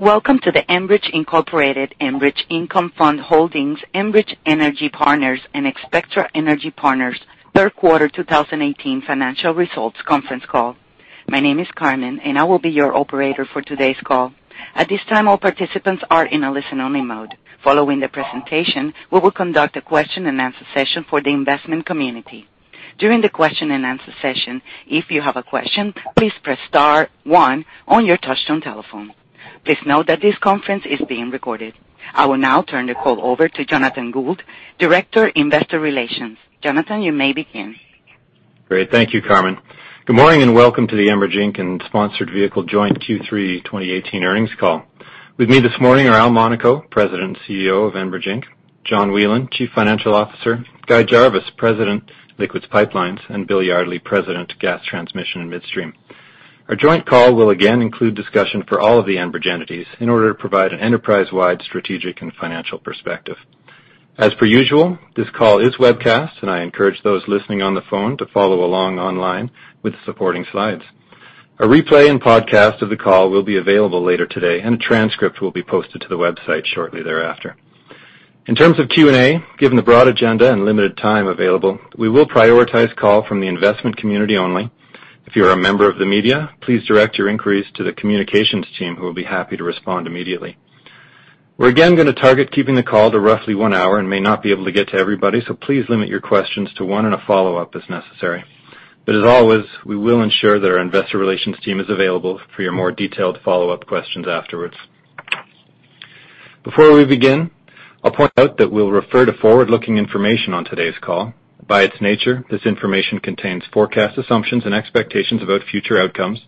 Welcome to the Enbridge Incorporated, Enbridge Income Fund Holdings, Enbridge Energy Partners, and Spectra Energy Partners third quarter 2018 financial results conference call. My name is Carmen, and I will be your operator for today's call. At this time, all participants are in a listen-only mode. Following the presentation, we will conduct a question-and-answer session for the investment community. During the question-and-answer session, if you have a question, please press star one on your touch-tone telephone. Please note that this conference is being recorded. I will now turn the call over to Jonathan Gould, Director, Investor Relations. Jonathan, you may begin. Great. Thank you, Carmen. Good morning and welcome to the Enbridge Inc. and Sponsored Vehicle joint Q3 2018 earnings call. With me this morning are Al Monaco, President and CEO of Enbridge Inc., John Whelen, Chief Financial Officer, Guy Jarvis, President, Liquids Pipelines, and Bill Yardley, President, Gas Transmission and Midstream. Our joint call will again include discussion for all of the Enbridge entities in order to provide an enterprise-wide strategic and financial perspective. As per usual, this call is webcast, and I encourage those listening on the phone to follow along online with the supporting slides. A replay and podcast of the call will be available later today, and a transcript will be posted to the website shortly thereafter. In terms of Q&A, given the broad agenda and limited time available, we will prioritize call from the investment community only. If you are a member of the media, please direct your inquiries to the communications team, who will be happy to respond immediately. We're again going to target keeping the call to roughly one hour and may not be able to get to everybody. Please limit your questions to one and a follow-up as necessary. As always, we will ensure that our investor relations team is available for your more detailed follow-up questions afterwards. Before we begin, I'll point out that we'll refer to forward-looking information on today's call. By its nature, this information contains forecast assumptions and expectations about future outcomes.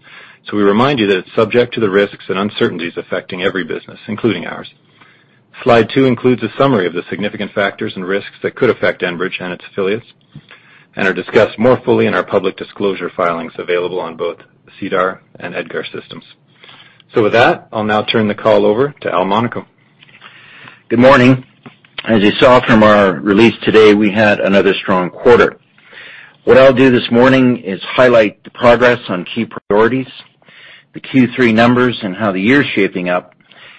We remind you that it's subject to the risks and uncertainties affecting every business, including ours. Slide two includes a summary of the significant factors and risks that could affect Enbridge and its affiliates and are discussed more fully in our public disclosure filings available on both SEDAR and EDGAR systems. With that, I'll now turn the call over to Al Monaco. Good morning. As you saw from our release today, we had another strong quarter. What I will do this morning is highlight the progress on key priorities, the Q3 numbers and how the year is shaping up,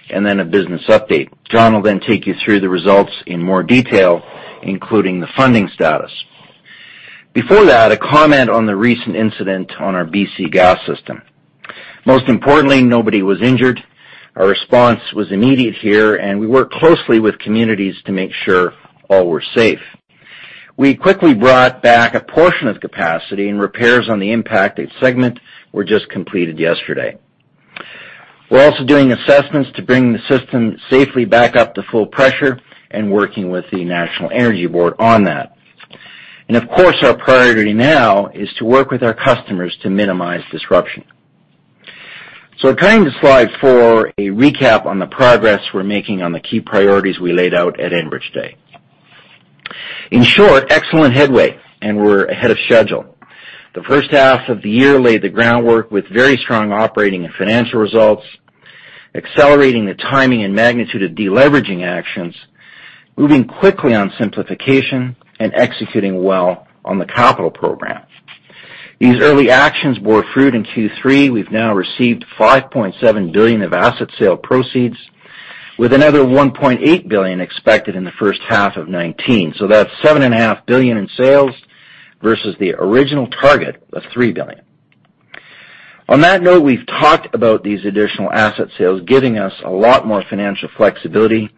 then a business update. John will then take you through the results in more detail, including the funding status. Before that, a comment on the recent incident on our BC gas system. Most importantly, nobody was injured. Our response was immediate here, and we worked closely with communities to make sure all were safe. We quickly brought back a portion of capacity and repairs on the impacted segment were just completed yesterday. We are also doing assessments to bring the system safely back up to full pressure and working with the National Energy Board on that. Of course, our priority now is to work with our customers to minimize disruption. Turning to slide four, a recap on the progress we are making on the key priorities we laid out at Enbridge Day. In short, excellent headway, and we are ahead of schedule. The first half of the year laid the groundwork with very strong operating and financial results, accelerating the timing and magnitude of deleveraging actions, moving quickly on simplification, and executing well on the capital program. These early actions bore fruit in Q3. We have now received 5.7 billion of asset sale proceeds, with another 1.8 billion expected in the first half of 2019. That is 7.5 billion in sales versus the original target of 3 billion. On that note, we have talked about these additional asset sales giving us a lot more financial flexibility.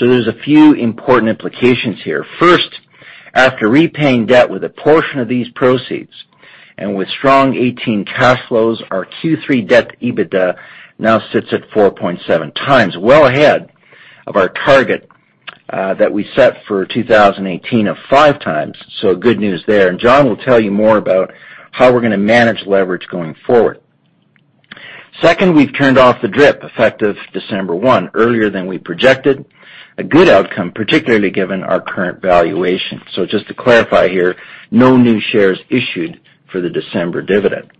There are a few important implications here. First, after repaying debt with a portion of these proceeds and with strong 2018 cash flows, our Q3 debt EBITDA now sits at 4.7 times, well ahead of our target that we set for 2018 of five times. Good news there. John will tell you more about how we are going to manage leverage going forward. Second, we have turned off the DRIP, effective December 1, earlier than we projected. A good outcome, particularly given our current valuation. Just to clarify here, no new shares issued for the December dividend.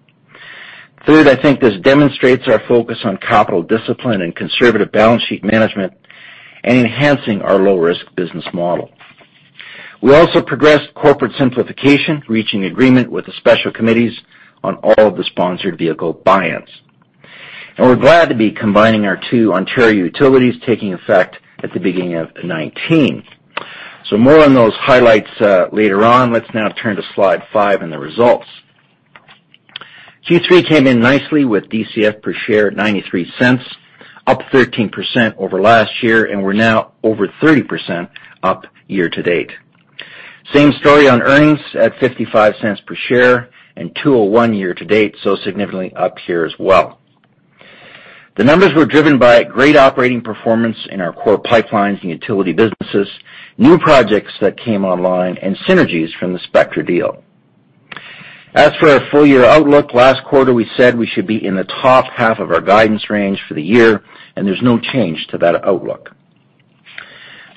Third, I think this demonstrates our focus on capital discipline and conservative balance sheet management and enhancing our low-risk business model. We also progressed corporate simplification, reaching agreement with the special committees on all of the sponsored vehicle buy-ins. We are glad to be combining our two Ontario utilities, taking effect at the beginning of 2019. More on those highlights later on. Let us now turn to slide five and the results. Q3 came in nicely with DCF per share at 0.93, up 13% over last year, and we are now over 30% up year to date. Same story on earnings at 0.55 per share and 2.01 year to date, significantly up here as well. The numbers were driven by great operating performance in our core pipelines and utility businesses, new projects that came online, and synergies from the Spectra deal. As for our full-year outlook, last quarter we said we should be in the top half of our guidance range for the year, and there is no change to that outlook.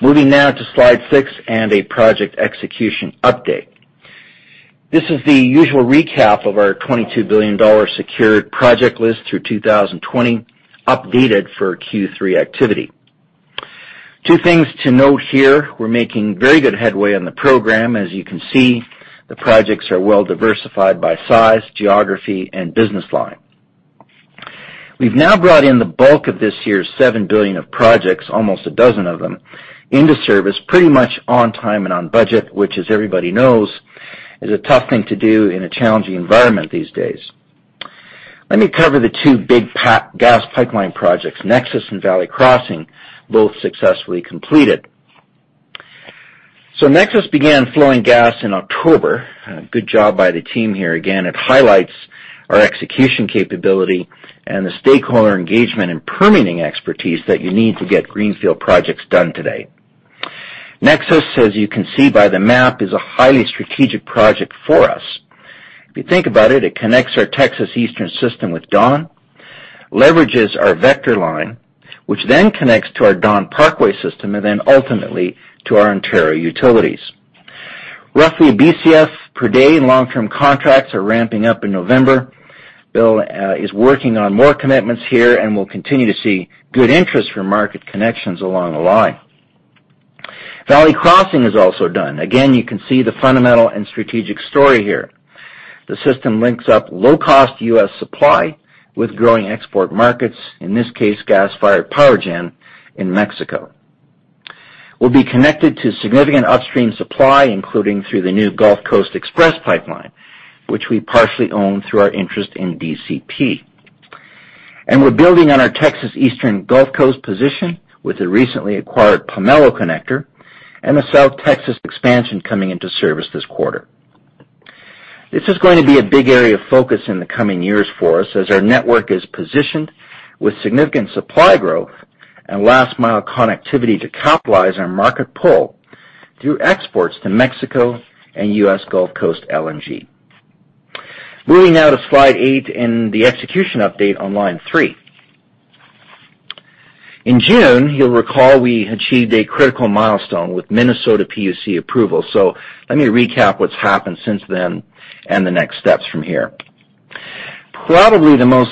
Moving now to slide six and a project execution update. This is the usual recap of our 22 billion dollar secured project list through 2020, updated for Q3 activity. Two things to note here. We're making very good headway on the program. As you can see, the projects are well diversified by size, geography, and business line. We've now brought in the bulk of this year's 7 billion of projects, almost a dozen of them, into service pretty much on time and on budget, which, as everybody knows, is a tough thing to do in a challenging environment these days. Let me cover the two big gas pipeline projects, NEXUS and Valley Crossing, both successfully completed. NEXUS began flowing gas in October. Good job by the team here. Again, it highlights our execution capability and the stakeholder engagement and permitting expertise that you need to get greenfield projects done today. NEXUS, as you can see by the map, is a highly strategic project for us. If you think about it connects our Texas Eastern system with Dawn, leverages our Vector line, which then connects to our Dawn-Parkway System, and ultimately to our Ontario utilities. Roughly BCF per day in long-term contracts are ramping up in November. Bill is working on more commitments here, and we'll continue to see good interest from market connections along the line. Valley Crossing is also done. Again, you can see the fundamental and strategic story here. The system links up low-cost U.S. supply with growing export markets, in this case, gas-fired power gen in Mexico. We'll be connected to significant upstream supply, including through the new Gulf Coast Express Pipeline, which we partially own through our interest in DCP. We're building on our Texas Eastern Gulf Coast position with the recently acquired Pomelo Connector and the South Texas expansion coming into service this quarter. This is going to be a big area of focus in the coming years for us as our network is positioned with significant supply growth and last-mile connectivity to capitalize on market pull through exports to Mexico and U.S. Gulf Coast LNG. Moving now to slide eight in the execution update on Line 3. In June, you'll recall we achieved a critical milestone with Minnesota PUC approval. Let me recap what's happened since then and the next steps from here. Probably the most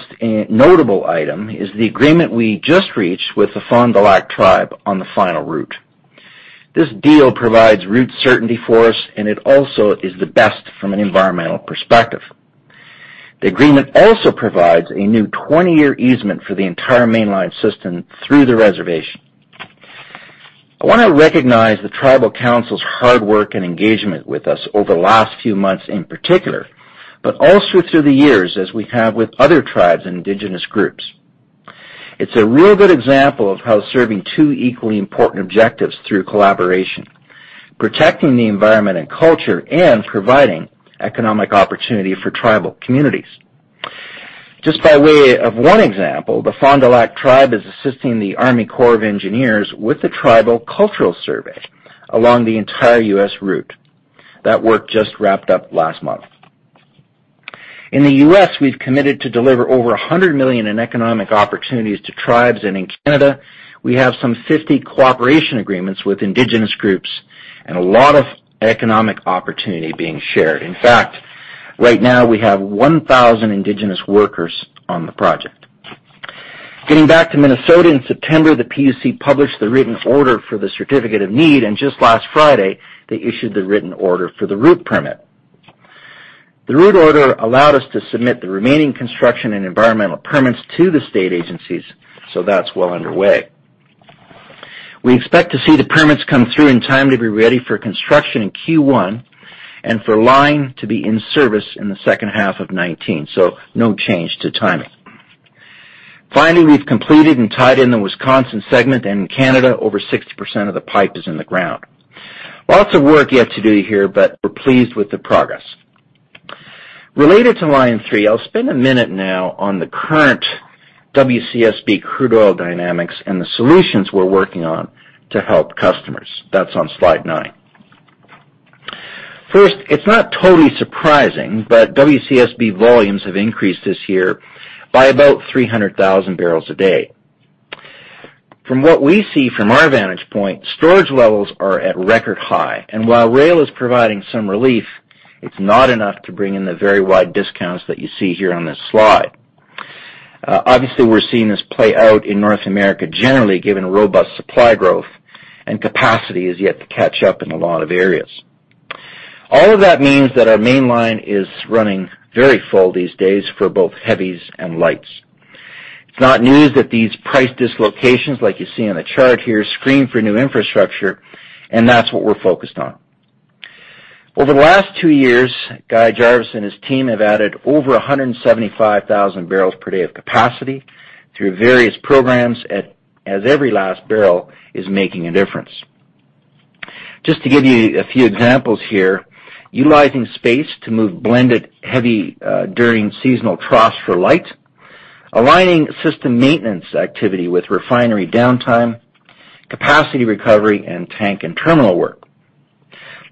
notable item is the agreement we just reached with the Fond du Lac Band of Lake Superior Chippewa on the final route. This deal provides route certainty for us, and it also is the best from an environmental perspective. The agreement also provides a new 20-year easement for the entire Mainline system through the reservation. I want to recognize the tribal council's hard work and engagement with us over the last few months in particular, also through the years as we have with other tribes and indigenous groups. It's a real good example of how serving two equally important objectives through collaboration, protecting the environment and culture, and providing economic opportunity for tribal communities. Just by way of one example, the Fond du Lac Band of Lake Superior Chippewa is assisting the Army Corps of Engineers with the tribal cultural survey along the entire U.S. route. That work just wrapped up last month. In the U.S., we've committed to deliver over 100 million in economic opportunities to tribes, and in Canada, we have some 50 cooperation agreements with indigenous groups and a lot of economic opportunity being shared. In fact, right now we have 1,000 indigenous workers on the project. Getting back to Minnesota, in September, the PUC published the written order for the certificate of need. Just last Friday, they issued the written order for the route permit. The route order allowed us to submit the remaining construction and environmental permits to the state agencies. That's well underway. We expect to see the permits come through in time to be ready for construction in Q1 and for line to be in service in the second half of 2019. No change to timing. Finally, we've completed and tied in the Wisconsin segment. In Canada, over 60% of the pipe is in the ground. Lots of work yet to do here, but we're pleased with the progress. Related to Line 3, I'll spend a minute now on the current WCSB crude oil dynamics and the solutions we're working on to help customers. That's on slide nine. First, it's not totally surprising. WCSB volumes have increased this year by about 300,000 barrels a day. From what we see from our vantage point, storage levels are at record high. While rail is providing some relief, it's not enough to bring in the very wide discounts that you see here on this slide. Obviously, we're seeing this play out in North America generally, given robust supply growth and capacity is yet to catch up in a lot of areas. That means that our Mainline is running very full these days for both heavies and lights. It's not news that these price dislocations, like you see on the chart here, scream for new infrastructure. That's what we're focused on. Over the last two years, Guy Jarvis and his team have added over 175,000 barrels per day of capacity through various programs as every last barrel is making a difference. Just to give you a few examples here, utilizing space to move blended heavy during seasonal troughs for light, aligning system maintenance activity with refinery downtime, capacity recovery, and tank and terminal work.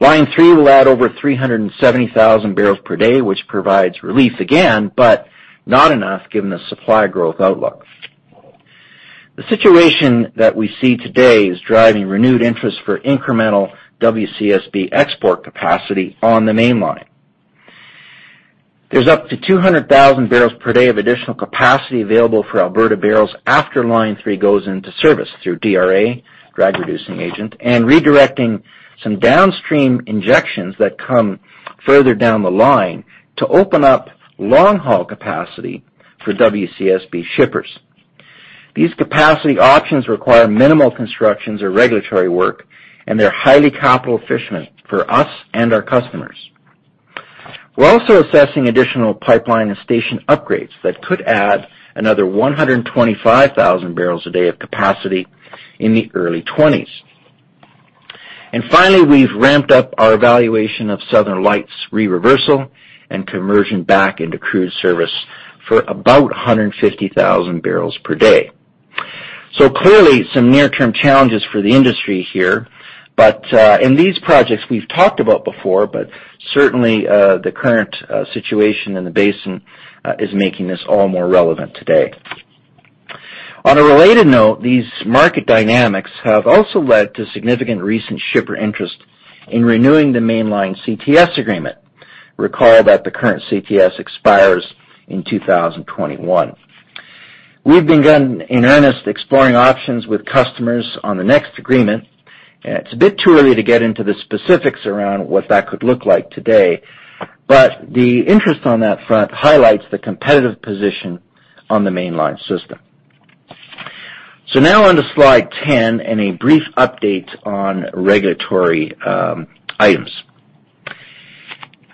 Line 3 will add over 370,000 barrels per day, which provides relief again. Not enough given the supply growth outlook. The situation that we see today is driving renewed interest for incremental WCSB export capacity on the Mainline. There's up to 200,000 barrels per day of additional capacity available for Alberta barrels after Line 3 goes into service through DRA, drag-reducing agent, redirecting some downstream injections that come further down the line to open up long-haul capacity for WCSB shippers. These capacity options require minimal constructions or regulatory work. They're highly capital efficient for us and our customers. We're also assessing additional pipeline and station upgrades that could add another 125,000 barrels a day of capacity in the early 2020s. Finally, we've ramped up our evaluation of Southern Lights' re-reversal and conversion back into crude service for about 150,000 barrels per day. Clearly, some near-term challenges for the industry here. These projects we've talked about before, but certainly, the current situation in the basin is making this all more relevant today. On a related note, these market dynamics have also led to significant recent shipper interest in renewing the Mainline CTS agreement. Recall that the current CTS expires in 2021. We've begun in earnest exploring options with customers on the next agreement. It's a bit too early to get into the specifics around what that could look like today, but the interest on that front highlights the competitive position on the Mainline system. Now on to slide 10 and a brief update on regulatory items.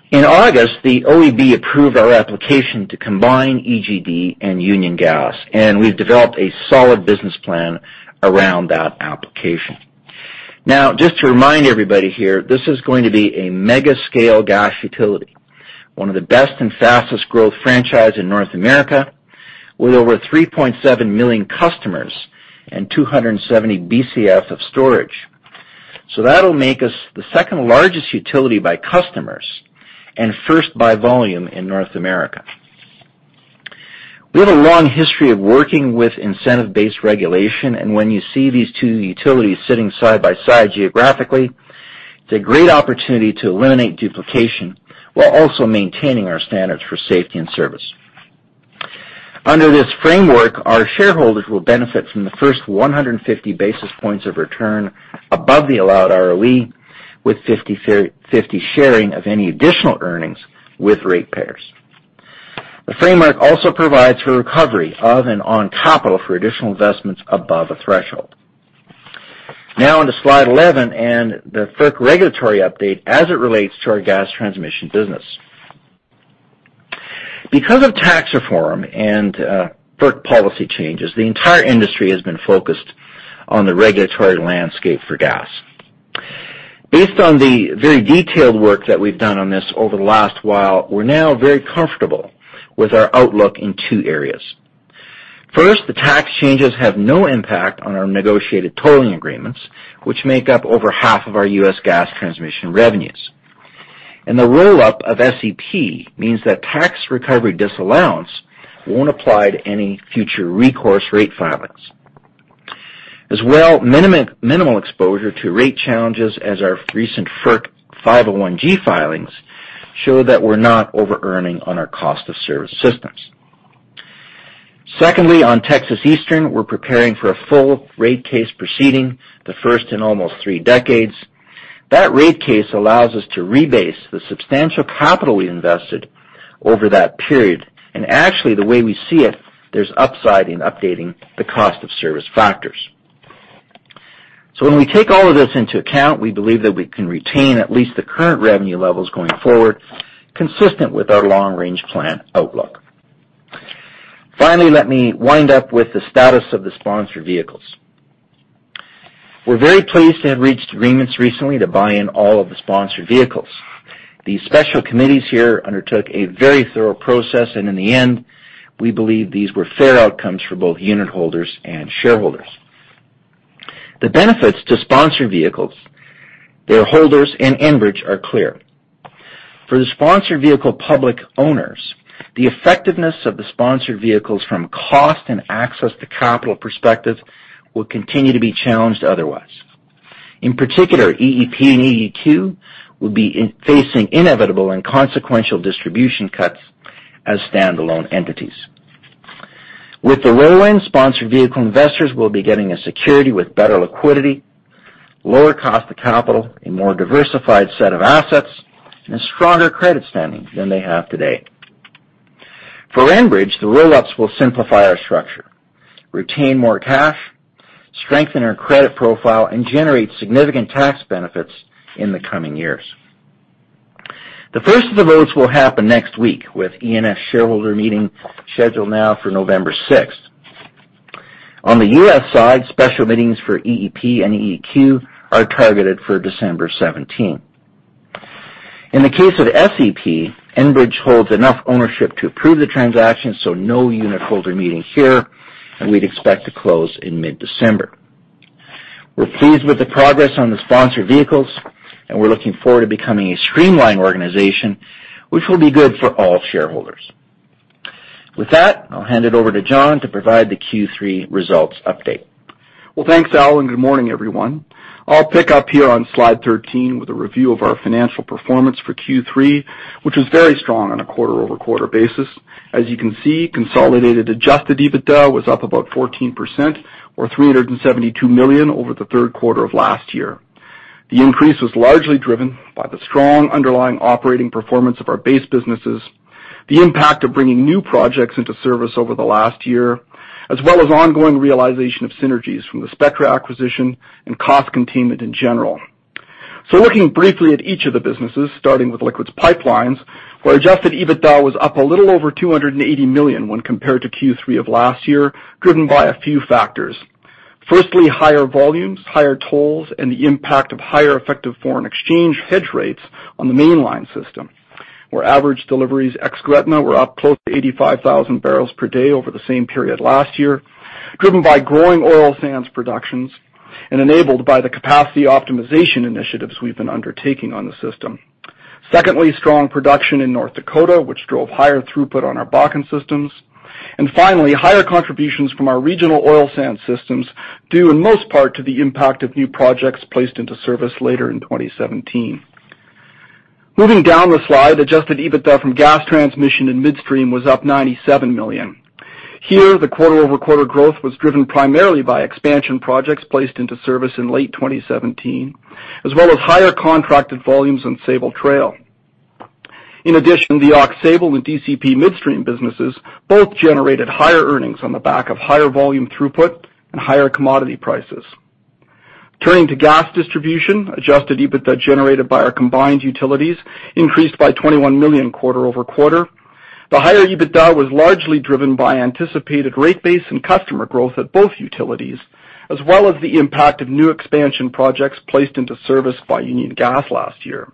In August, the OEB approved our application to combine EGD and Union Gas, and we've developed a solid business plan around that application. Now, just to remind everybody here, this is going to be a mega-scale gas utility, one of the best and fastest growth franchise in North America, with over 3.7 million customers and 270 BCF of storage. That'll make us the second-largest utility by customers and first by volume in North America. We have a long history of working with incentive-based regulation, when you see these two utilities sitting side by side geographically, it's a great opportunity to eliminate duplication while also maintaining our standards for safety and service. Under this framework, our shareholders will benefit from the first 150 basis points of return above the allowed ROE, with 50/50 sharing of any additional earnings with ratepayers. The framework also provides for recovery of and on capital for additional investments above a threshold. On to slide 11 and the FERC regulatory update as it relates to our gas transmission business. Because of tax reform and FERC policy changes, the entire industry has been focused on the regulatory landscape for gas. Based on the very detailed work that we've done on this over the last while, we're now very comfortable with our outlook in two areas. First, the tax changes have no impact on our negotiated tolling agreements, which make up over half of our U.S. gas transmission revenues. The roll-up of SEP means that tax recovery disallowance won't apply to any future recourse rate filings. As well, minimal exposure to rate challenges as our recent FERC Form 501-G filings show that we're not overearning on our cost of service systems. Secondly, on Texas Eastern, we're preparing for a full rate case proceeding, the first in almost three decades. That rate case allows us to rebase the substantial capital we invested over that period. Actually, the way we see it, there's upside in updating the cost of service factors. When we take all of this into account, we believe that we can retain at least the current revenue levels going forward, consistent with our long-range plan outlook. Finally, let me wind up with the status of the sponsored vehicles. We're very pleased to have reached agreements recently to buy in all of the sponsored vehicles. The special committees here undertook a very thorough process, in the end, we believe these were fair outcomes for both unitholders and shareholders. The benefits to sponsored vehicles, their holders, and Enbridge are clear. For the sponsored vehicle public owners, the effectiveness of the sponsored vehicles from cost and access to capital perspective will continue to be challenged otherwise. In particular, EEP and EEQ will be facing inevitable and consequential distribution cuts as standalone entities. With the roll-in, sponsored vehicle investors will be getting a security with better liquidity, lower cost of capital, a more diversified set of assets, and a stronger credit standing than they have today. For Enbridge, the roll-ups will simplify our structure, retain more cash, strengthen our credit profile, and generate significant tax benefits in the coming years. The first of the votes will happen next week, with ENS shareholder meeting scheduled now for November 6th. On the U.S. side, special meetings for EEP and EEQ are targeted for December 17th. In the case of SEP, Enbridge holds enough ownership to approve the transaction, so no unitholder meeting here, and we'd expect to close in mid-December. We're pleased with the progress on the sponsored vehicles, and we're looking forward to becoming a streamlined organization, which will be good for all shareholders. With that, I'll hand it over to John to provide the Q3 results update. Well, thanks, Al, and good morning, everyone. I'll pick up here on slide 13 with a review of our financial performance for Q3, which was very strong on a quarter-over-quarter basis. As you can see, consolidated adjusted EBITDA was up about 14%, or 372 million over the third quarter of last year. The increase was largely driven by the strong underlying operating performance of our base businesses, the impact of bringing new projects into service over the last year, as well as ongoing realization of synergies from the Spectra acquisition and cost containment in general. Looking briefly at each of the businesses, starting with Liquids Pipelines, where adjusted EBITDA was up a little over CAD 280 million when compared to Q3 of last year, driven by a few factors. Firstly, higher volumes, higher tolls, and the impact of higher effective foreign exchange hedge rates on the Mainline system, where average deliveries ex Gretna were up close to 85,000 barrels per day over the same period last year, driven by growing oil sands productions and enabled by the capacity optimization initiatives we've been undertaking on the system. Secondly, strong production in North Dakota, which drove higher throughput on our Bakken systems. Finally, higher contributions from our regional oil sands systems, due in most part to the impact of new projects placed into service later in 2017. Moving down the slide, adjusted EBITDA from Gas Transmission and Midstream was up 97 million. Here, the quarter-over-quarter growth was driven primarily by expansion projects placed into service in late 2017, as well as higher contracted volumes on Sabal Trail. In addition, the Aux Sable and DCP Midstream businesses both generated higher earnings on the back of higher volume throughput and higher commodity prices. Turning to Gas Distribution, adjusted EBITDA generated by our combined utilities increased by 21 million quarter-over-quarter. The higher EBITDA was largely driven by anticipated rate base and customer growth at both utilities, as well as the impact of new expansion projects placed into service by Union Gas last year.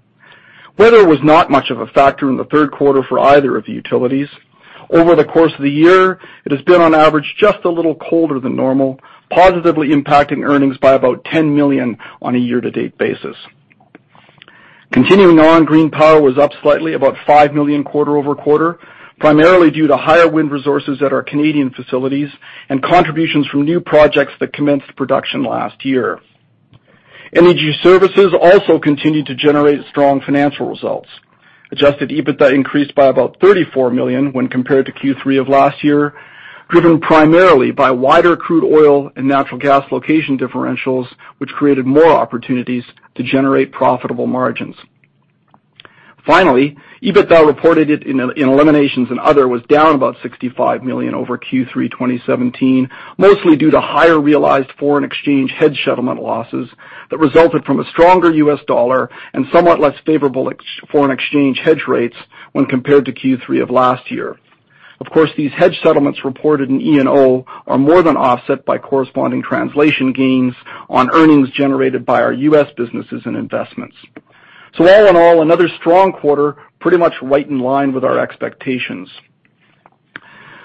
Weather was not much of a factor in the third quarter for either of the utilities. Over the course of the year, it has been on average just a little colder than normal, positively impacting earnings by about 10 million on a year-to-date basis. Continuing on, green power was up slightly, about 5 million quarter-over-quarter, primarily due to higher wind resources at our Canadian facilities and contributions from new projects that commenced production last year. Energy services also continued to generate strong financial results. Adjusted EBITDA increased by about CAD 34 million when compared to Q3 of last year, driven primarily by wider crude oil and natural gas location differentials, which created more opportunities to generate profitable margins. Finally, EBITDA reported in eliminations and other was down about 65 million over Q3 2017, mostly due to higher realized foreign exchange hedge settlement losses that resulted from a stronger US dollar and somewhat less favorable foreign exchange hedge rates when compared to Q3 of last year. Of course, these hedge settlements reported in E&O are more than offset by corresponding translation gains on earnings generated by our US businesses and investments. All in all, another strong quarter, pretty much right in line with our expectations.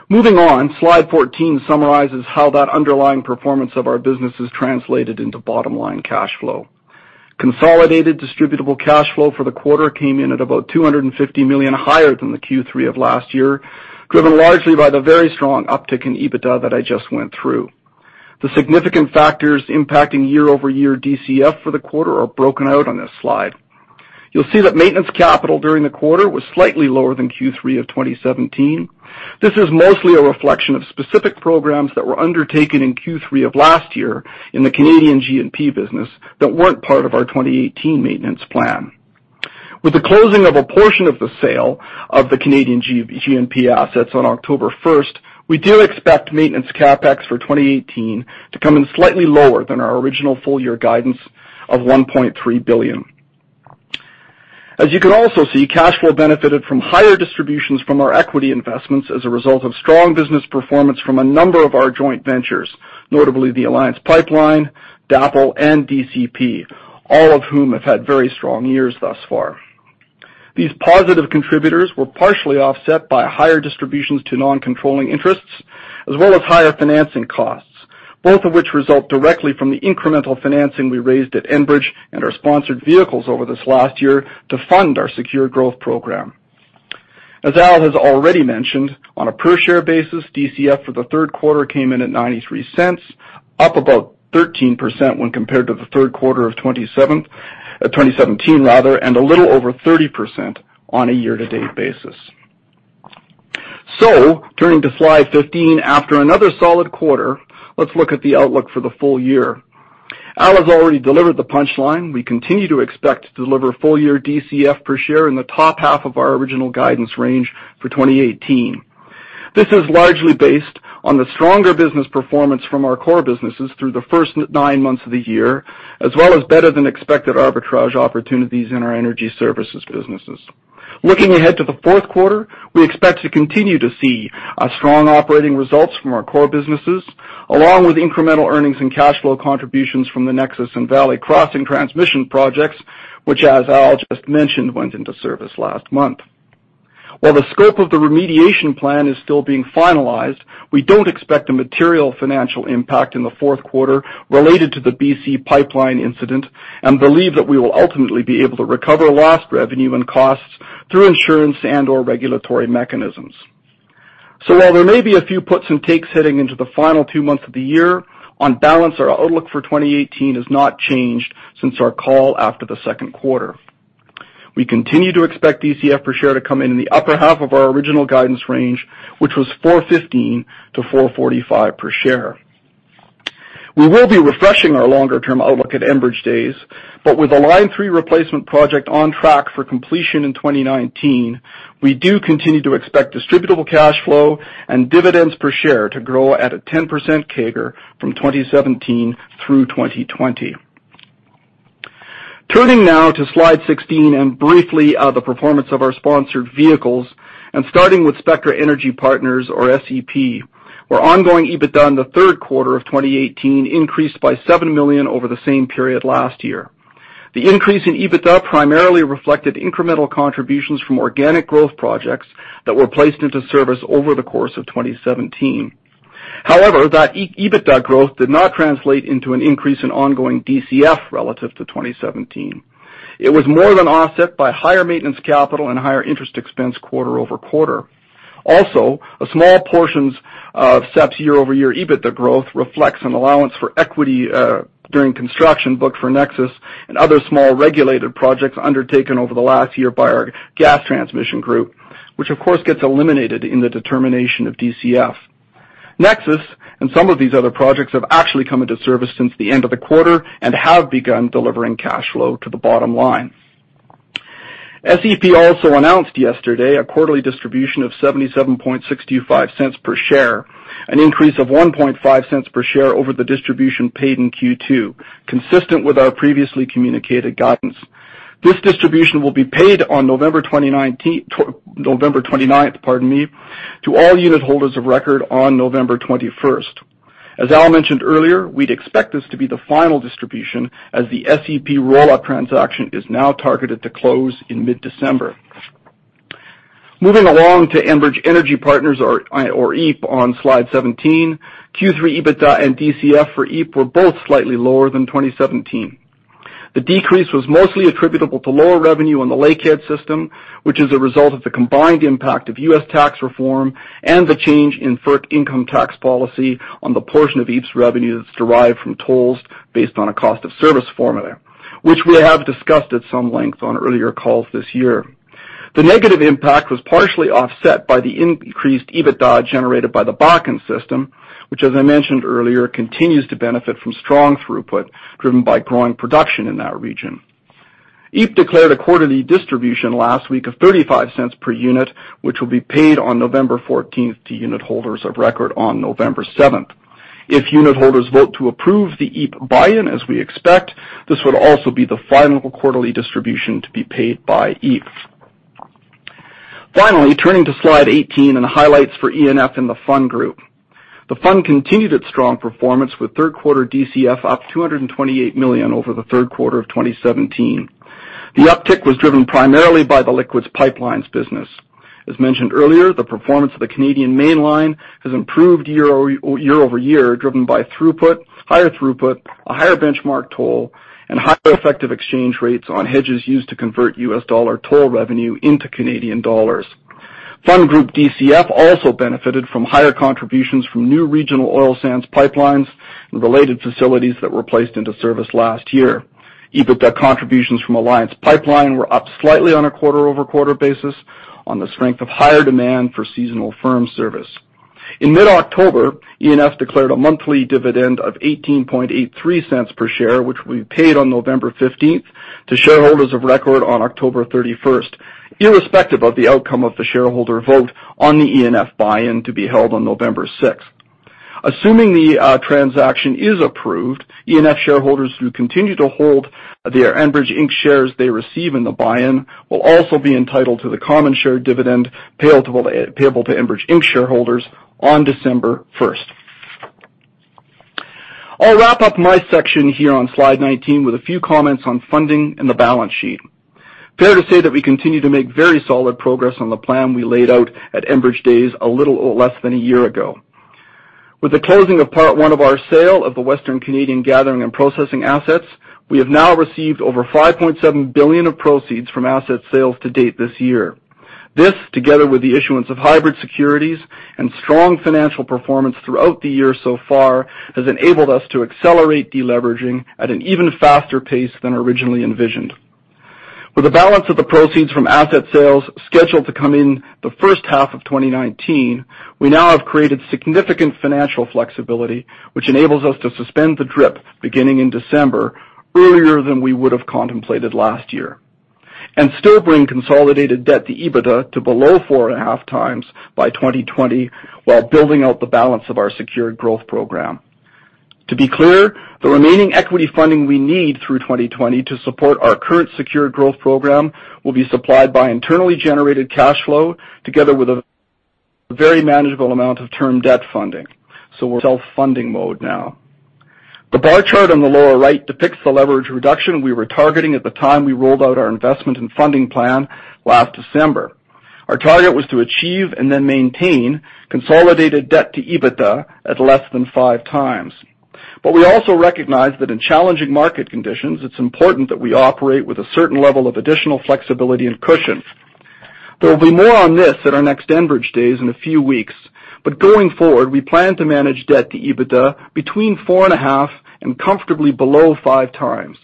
Moving on, slide 14 summarizes how that underlying performance of our business is translated into bottom-line cash flow. Consolidated Distributable Cash Flow for the quarter came in at about 250 million higher than the Q3 of last year, driven largely by the very strong uptick in EBITDA that I just went through. The significant factors impacting year-over-year DCF for the quarter are broken out on this slide. You will see that maintenance capital during the quarter was slightly lower than Q3 of 2017. This is mostly a reflection of specific programs that were undertaken in Q3 of last year in the Canadian G&P business that were not part of our 2018 maintenance plan. With the closing of a portion of the sale of the Canadian G&P assets on October 1st, we do expect maintenance CapEx for 2018 to come in slightly lower than our original full-year guidance of 1.3 billion. As you can also see, cash flow benefited from higher distributions from our equity investments as a result of strong business performance from a number of our joint ventures, notably the Alliance Pipeline, DAPL, and DCP, all of whom have had very strong years thus far. These positive contributors were partially offset by higher distributions to non-controlling interests, as well as higher financing costs, both of which result directly from the incremental financing we raised at Enbridge and our sponsored vehicles over this last year to fund our secure growth program. As Al has already mentioned, on a per-share basis, DCF for the third quarter came in at 0.93, up about 13% when compared to the third quarter of 2017, and a little over 30% on a year-to-date basis. Turning to slide 15, after another solid quarter, let's look at the outlook for the full year. Al has already delivered the punchline. We continue to expect to deliver full-year DCF per share in the top half of our original guidance range for 2018. This is largely based on the stronger business performance from our core businesses through the first nine months of the year, as well as better-than-expected arbitrage opportunities in our energy services businesses. Looking ahead to the fourth quarter, we expect to continue to see strong operating results from our core businesses, along with incremental earnings and cash flow contributions from the NEXUS and Valley Crossing transmission projects, which, as Al just mentioned, went into service last month. While the scope of the remediation plan is still being finalized, we don't expect a material financial impact in the fourth quarter related to the BC pipeline incident and believe that we will ultimately be able to recover lost revenue and costs through insurance and/or regulatory mechanisms. While there may be a few puts and takes heading into the final two months of the year, on balance, our outlook for 2018 has not changed since our call after the second quarter. We continue to expect DCF per share to come in in the upper half of our original guidance range, which was 4.15 to 4.45 per share. We will be refreshing our longer-term outlook at Enbridge Day, but with the Line 3 Replacement Project on track for completion in 2019, we do continue to expect distributable cash flow and dividends per share to grow at a 10% CAGR from 2017 through 2020. Turning now to slide 16 and briefly, the performance of our sponsored vehicles, and starting with Spectra Energy Partners, or SEP, where ongoing EBITDA in the third quarter of 2018 increased by 7 million over the same period last year. The increase in EBITDA primarily reflected incremental contributions from organic growth projects that were placed into service over the course of 2017. However, that EBITDA growth did not translate into an increase in ongoing DCF relative to 2017. It was more than offset by higher maintenance capital and higher interest expense quarter-over-quarter. Also, a small portion of SEP's year-over-year EBITDA growth reflects an allowance for equity during construction booked for NEXUS and other small regulated projects undertaken over the last year by our Gas Transmission Group, which, of course, gets eliminated in the determination of DCF. NEXUS and some of these other projects have actually come into service since the end of the quarter and have begun delivering cash flow to the bottom line. SEP also announced yesterday a quarterly distribution of 0.7765 per share, an increase of 0.0150 per share over the distribution paid in Q2, consistent with our previously communicated guidance. This distribution will be paid on November 29th to all unit holders of record on November 21st. As Al mentioned earlier, we'd expect this to be the final distribution as the SEP rollout transaction is now targeted to close in mid-December. Moving along to Enbridge Energy Partners or EEP on Slide 17. Q3 EBITDA and DCF for EEP were both slightly lower than 2017. The decrease was mostly attributable to lower revenue on the Lakehead System, which is a result of the combined impact of U.S. tax reform and the change in FERC income tax policy on the portion of EEP's revenue that's derived from tolls based on a cost of service formula, which we have discussed at some length on earlier calls this year. The negative impact was partially offset by the increased EBITDA generated by the Bakken system, which, as I mentioned earlier, continues to benefit from strong throughput driven by growing production in that region. EEP declared a quarterly distribution last week of 0.35 per unit, which will be paid on November 14th to unit holders of record on November 7th. If unit holders vote to approve the EEP buy-in, as we expect, this would also be the final quarterly distribution to be paid by EEP. Finally, turning to slide 18 and highlights for ENF and the Fund Group. The fund continued its strong performance with third quarter DCF up 228 million over the third quarter of 2017. The uptick was driven primarily by the Liquids Pipelines business. As mentioned earlier, the performance of the Canadian Mainline has improved year-over-year, driven by throughput, higher throughput, a higher benchmark toll, and higher effective exchange rates on hedges used to convert US dollar toll revenue into Canadian dollars. Fund Group DCF also benefited from higher contributions from new regional oil sands pipelines and related facilities that were placed into service last year. EBITDA contributions from Alliance Pipeline were up slightly on a quarter-over-quarter basis on the strength of higher demand for seasonal firm service. In mid-October, ENF declared a monthly dividend of 0.1883 per share, which will be paid on November 15th to shareholders of record on October 31st, irrespective of the outcome of the shareholder vote on the ENF buy-in to be held on November 6th. Assuming the transaction is approved, ENF shareholders who continue to hold their Enbridge Inc. shares they receive in the buy-in will also be entitled to the common share dividend payable to Enbridge Inc. shareholders on December 1st. I will wrap up my section here on slide 19 with a few comments on funding and the balance sheet. Fair to say that we continue to make very solid progress on the plan we laid out at Enbridge Day a little less than a year ago. With the closing of part one of our sale of the Western Canadian Gathering and Processing assets, we have now received over 5.7 billion of proceeds from asset sales to date this year. This, together with the issuance of hybrid securities and strong financial performance throughout the year so far, has enabled us to accelerate deleveraging at an even faster pace than originally envisioned. With the balance of the proceeds from asset sales scheduled to come in the first half of 2019, we now have created significant financial flexibility, which enables us to suspend the DRIP beginning in December, earlier than we would have contemplated last year, and still bring consolidated debt to EBITDA to below 4.5 times by 2020 while building out the balance of our secured growth program. To be clear, the remaining equity funding we need through 2020 to support our current secured growth program will be supplied by internally generated cash flow together with a very manageable amount of term debt funding. We are self-funding mode now. The bar chart on the lower right depicts the leverage reduction we were targeting at the time we rolled out our investment and funding plan last December. Our target was to achieve and then maintain consolidated debt to EBITDA at less than five times. We also recognize that in challenging market conditions, it's important that we operate with a certain level of additional flexibility and cushion. There will be more on this at our next Enbridge Days in a few weeks. Going forward, we plan to manage debt to EBITDA between four and a half and comfortably below five times.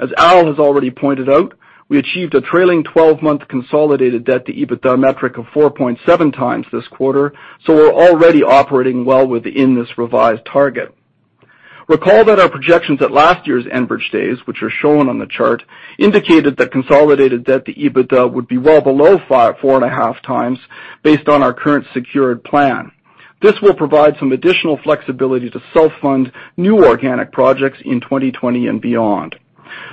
As Al has already pointed out, we achieved a trailing 12-month consolidated debt to EBITDA metric of 4.7 times this quarter. We're already operating well within this revised target. Recall that our projections at last year's Enbridge Days, which are shown on the chart, indicated that consolidated debt to EBITDA would be well below 4.5 times, based on our current secured plan. This will provide some additional flexibility to self-fund new organic projects in 2020 and beyond.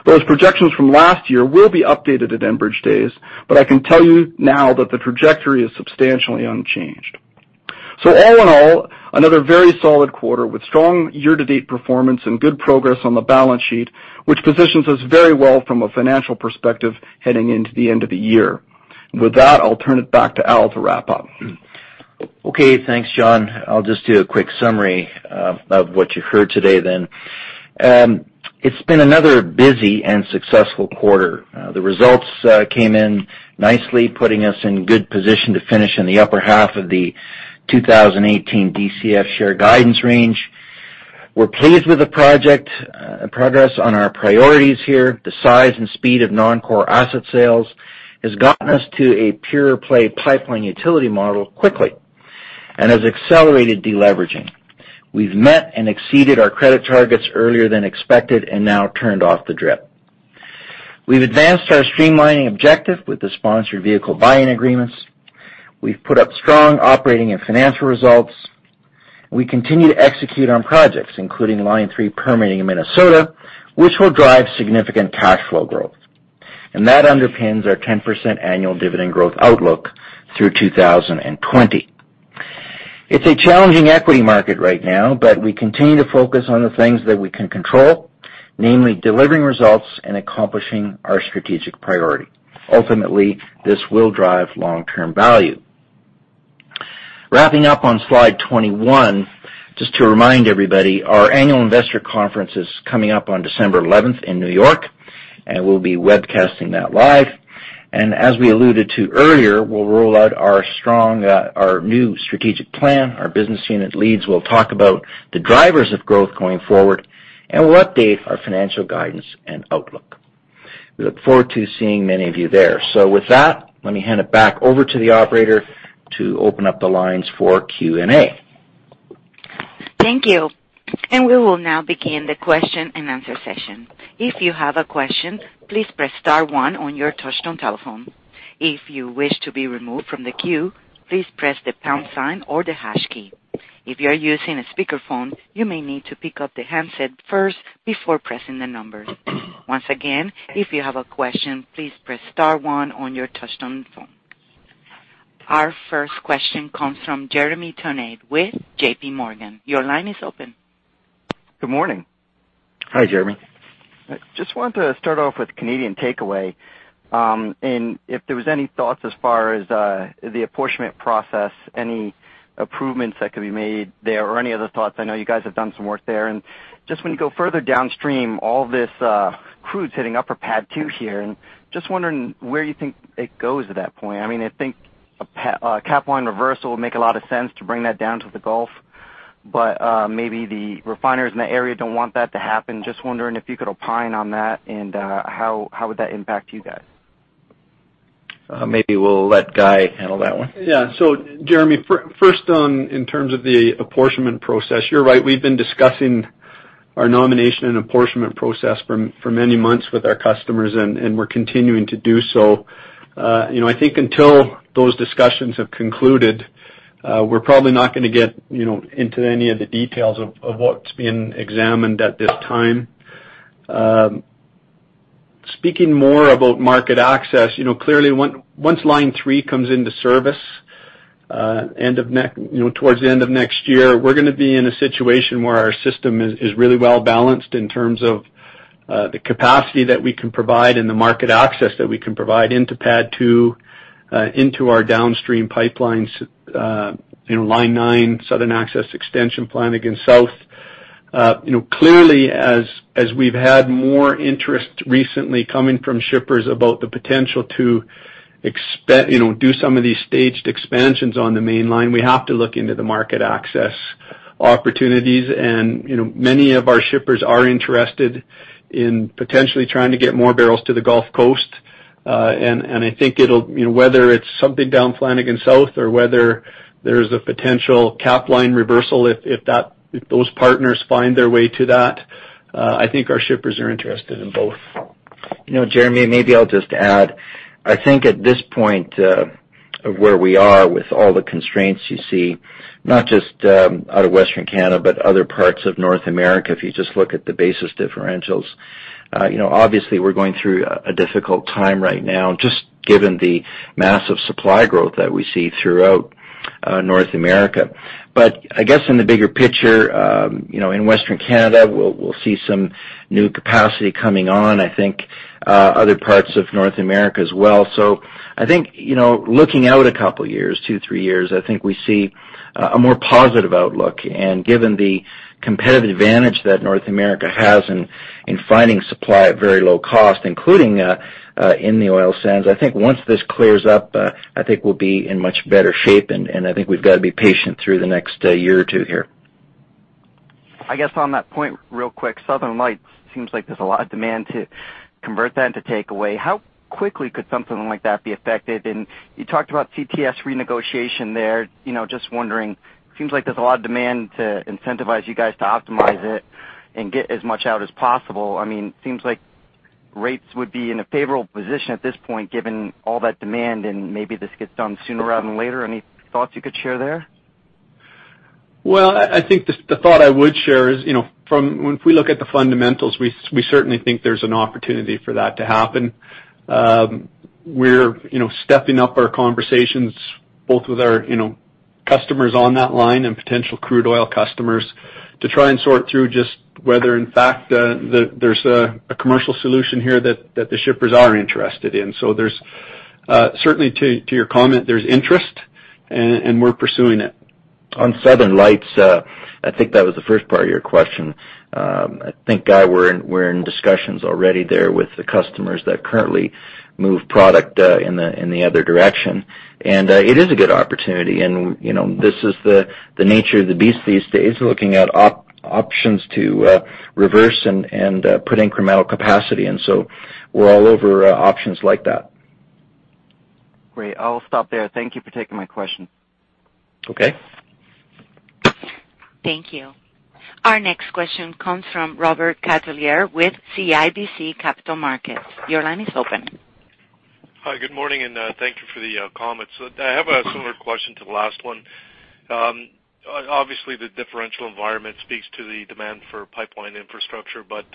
Those projections from last year will be updated at Enbridge Days. I can tell you now that the trajectory is substantially unchanged. All in all, another very solid quarter with strong year-to-date performance and good progress on the balance sheet, which positions us very well from a financial perspective heading into the end of the year. With that, I'll turn it back to Al to wrap up. Okay. Thanks, John. I'll just do a quick summary of what you heard today. It's been another busy and successful quarter. The results came in nicely, putting us in good position to finish in the upper half of the 2018 DCF share guidance range. We're pleased with the progress on our priorities here. The size and speed of non-core asset sales has gotten us to a pure-play pipeline utility model quickly and has accelerated de-leveraging. We've met and exceeded our credit targets earlier than expected and now turned off the DRIP. We've advanced our streamlining objective with the sponsored vehicle buy-in agreements. We've put up strong operating and financial results. We continue to execute on projects, including Line 3 permitting in Minnesota, which will drive significant cash flow growth. That underpins our 10% annual dividend growth outlook through 2020. It's a challenging equity market right now. We continue to focus on the things that we can control, namely delivering results and accomplishing our strategic priority. Ultimately, this will drive long-term value. Wrapping up on slide 21, just to remind everybody, our annual investor conference is coming up on December 11th in New York, and we'll be webcasting that live. As we alluded to earlier, we'll roll out our new strategic plan. Our business unit leads will talk about the drivers of growth going forward, and we'll update our financial guidance and outlook. We look forward to seeing many of you there. With that, let me hand it back over to the operator to open up the lines for Q&A. Thank you. We will now begin the question and answer session. If you have a question, please press *1 on your touch-tone telephone. If you wish to be removed from the queue, please press the pound sign or the hash key. If you are using a speakerphone, you may need to pick up the handset first before pressing the numbers. Once again, if you have a question, please press *1 on your touch-tone phone. Our first question comes from Jeremy Tonet with JPMorgan. Your line is open. Good morning. Hi, Jeremy. Just wanted to start off with Canadian takeaway, if there was any thoughts as far as the apportionment process, any improvements that could be made there or any other thoughts. I know you guys have done some work there. Just when you go further downstream, all this crude's hitting upper PADD 2 here and just wondering where you think it goes at that point. I think a Capline reversal would make a lot of sense to bring that down to the Gulf, but maybe the refiners in the area don't want that to happen. Just wondering if you could opine on that and how would that impact you guys. Maybe we'll let Guy handle that one. Yeah. Jeremy, first on in terms of the apportionment process, you're right, we've been discussing our nomination and apportionment process for many months with our customers, we're continuing to do so. I think until those discussions have concluded, we're probably not going to get into any of the details of what's being examined at this time. Speaking more about market access, clearly once Line 3 comes into service towards the end of next year, we're going to be in a situation where our system is really well-balanced in terms of the capacity that we can provide and the market access that we can provide into PADD 2, into our downstream pipelines, in Line 9, Southern Access Extension, Flanagan South. Clearly, as we've had more interest recently coming from shippers about the potential to do some of these staged expansions on the Mainline, we have to look into the market access opportunities, many of our shippers are interested in potentially trying to get more barrels to the Gulf Coast. I think whether it's something down Flanagan South or whether there's a potential Capline reversal, if those partners find their way to that, I think our shippers are interested in both. Jeremy, maybe I'll just add. I think at this point of where we are with all the constraints you see, not just out of Western Canada, but other parts of North America, if you just look at the basis differentials, obviously we're going through a difficult time right now just given the massive supply growth that we see throughout North America. I guess in the bigger picture, in Western Canada, we'll see some new capacity coming on, I think other parts of North America as well. I think looking out a couple of years, two, three years, I think we see a more positive outlook. Given the competitive advantage that North America has in finding supply at very low cost, including in the oil sands, I think once this clears up, I think we'll be in much better shape. I think we've got to be patient through the next year or two here. I guess on that point, real quick, Southern Lights seems like there's a lot of demand to convert that and to take away. How quickly could something like that be affected? You talked about CTS renegotiation there. Just wondering, it seems like there's a lot of demand to incentivize you guys to optimize it and get as much out as possible. It seems like rates would be in a favorable position at this point, given all that demand, and maybe this gets done sooner rather than later. Any thoughts you could share there? Well, I think the thought I would share is, if we look at the fundamentals, we certainly think there's an opportunity for that to happen. We're stepping up our conversations both with our customers on that line and potential crude oil customers to try and sort through just whether in fact there's a commercial solution here that the shippers are interested in. Certainly to your comment, there's interest, and we're pursuing it. On Southern Lights, I think that was the first part of your question. I think, Guy, we're in discussions already there with the customers that currently move product in the other direction, and it is a good opportunity. This is the nature of the beast these days, looking at options to reverse and put incremental capacity in. We're all over options like that. Great. I'll stop there. Thank you for taking my question. Okay. Thank you. Our next question comes from Robert Catellier with CIBC Capital Markets. Your line is open. Hi, good morning, and thank you for the comments. I have a similar question to the last one. Obviously, the differential environment speaks to the demand for pipeline infrastructure, but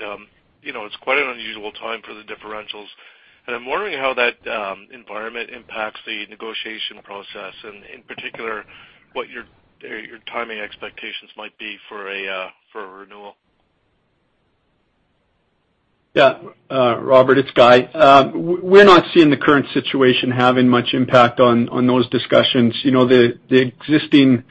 it's quite an unusual time for the differentials. I'm wondering how that environment impacts the negotiation process, and in particular, what your timing expectations might be for a renewal. Robert, it's Guy. We're not seeing the current situation having much impact on those discussions. The existing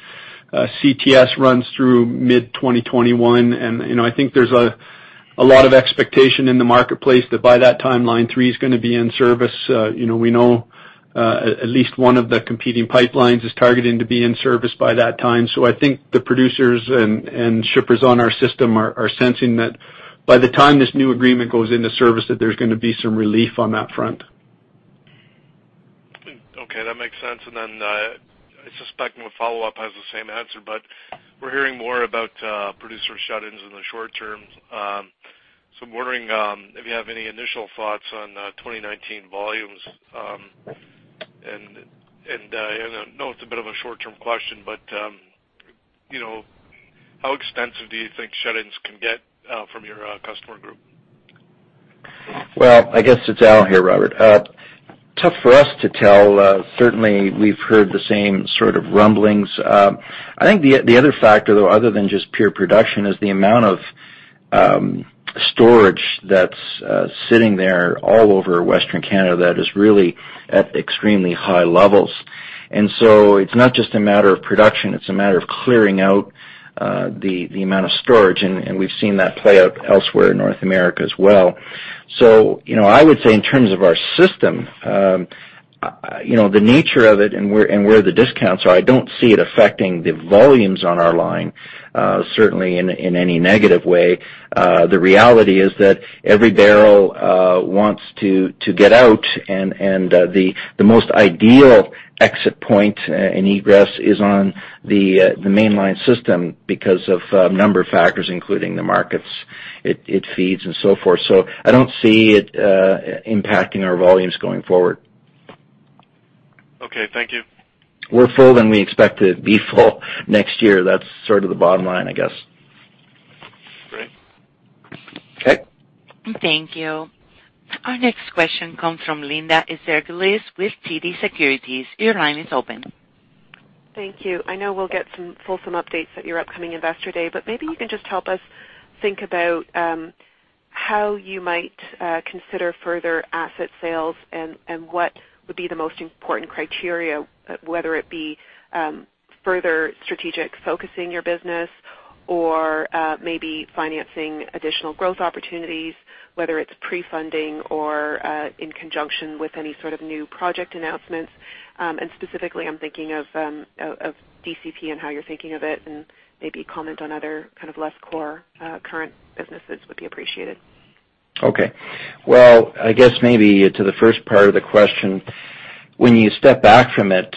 CTS runs through mid-2021, and I think there's a lot of expectation in the marketplace that by that time, Line 3 is going to be in service. We know at least one of the competing pipelines is targeting to be in service by that time. I think the producers and shippers on our system are sensing that by the time this new agreement goes into service, that there's going to be some relief on that front. Okay, that makes sense. I suspect my follow-up has the same answer, we're hearing more about producer shut-ins in the short term. I'm wondering if you have any initial thoughts on 2019 volumes. I know it's a bit of a short-term question, but how extensive do you think shut-ins can get from your customer group? Well, I guess it's Al here, Robert. Tough for us to tell. Certainly, we've heard the same sort of rumblings. I think the other factor, though, other than just pure production, is the amount of storage that's sitting there all over Western Canada that is really at extremely high levels. It's not just a matter of production, it's a matter of clearing out the amount of storage, and we've seen that play out elsewhere in North America as well. I would say in terms of our system, the nature of it and where the discounts are, I don't see it affecting the volumes on our line certainly in any negative way. The reality is that every barrel wants to get out and the most ideal exit point and egress is on the Mainline system because of a number of factors, including the markets it feeds and so forth. I don't see it impacting our volumes going forward. Okay, thank you. We're full, we expect to be full next year. That's sort of the bottom line, I guess. Great. Okay. Thank you. Our next question comes from Linda Ezergailis with TD Securities. Your line is open. Thank you. I know we'll get some fulsome updates at your upcoming Enbridge Day, maybe you can just help us think about how you might consider further asset sales and what would be the most important criteria, whether it be further strategic focusing your business or maybe financing additional growth opportunities, whether it's pre-funding or in conjunction with any sort of new project announcements. Specifically, I'm thinking of DCP and how you're thinking of it, and maybe comment on other kind of less core current businesses would be appreciated. Well, I guess maybe to the first part of the question, when you step back from it,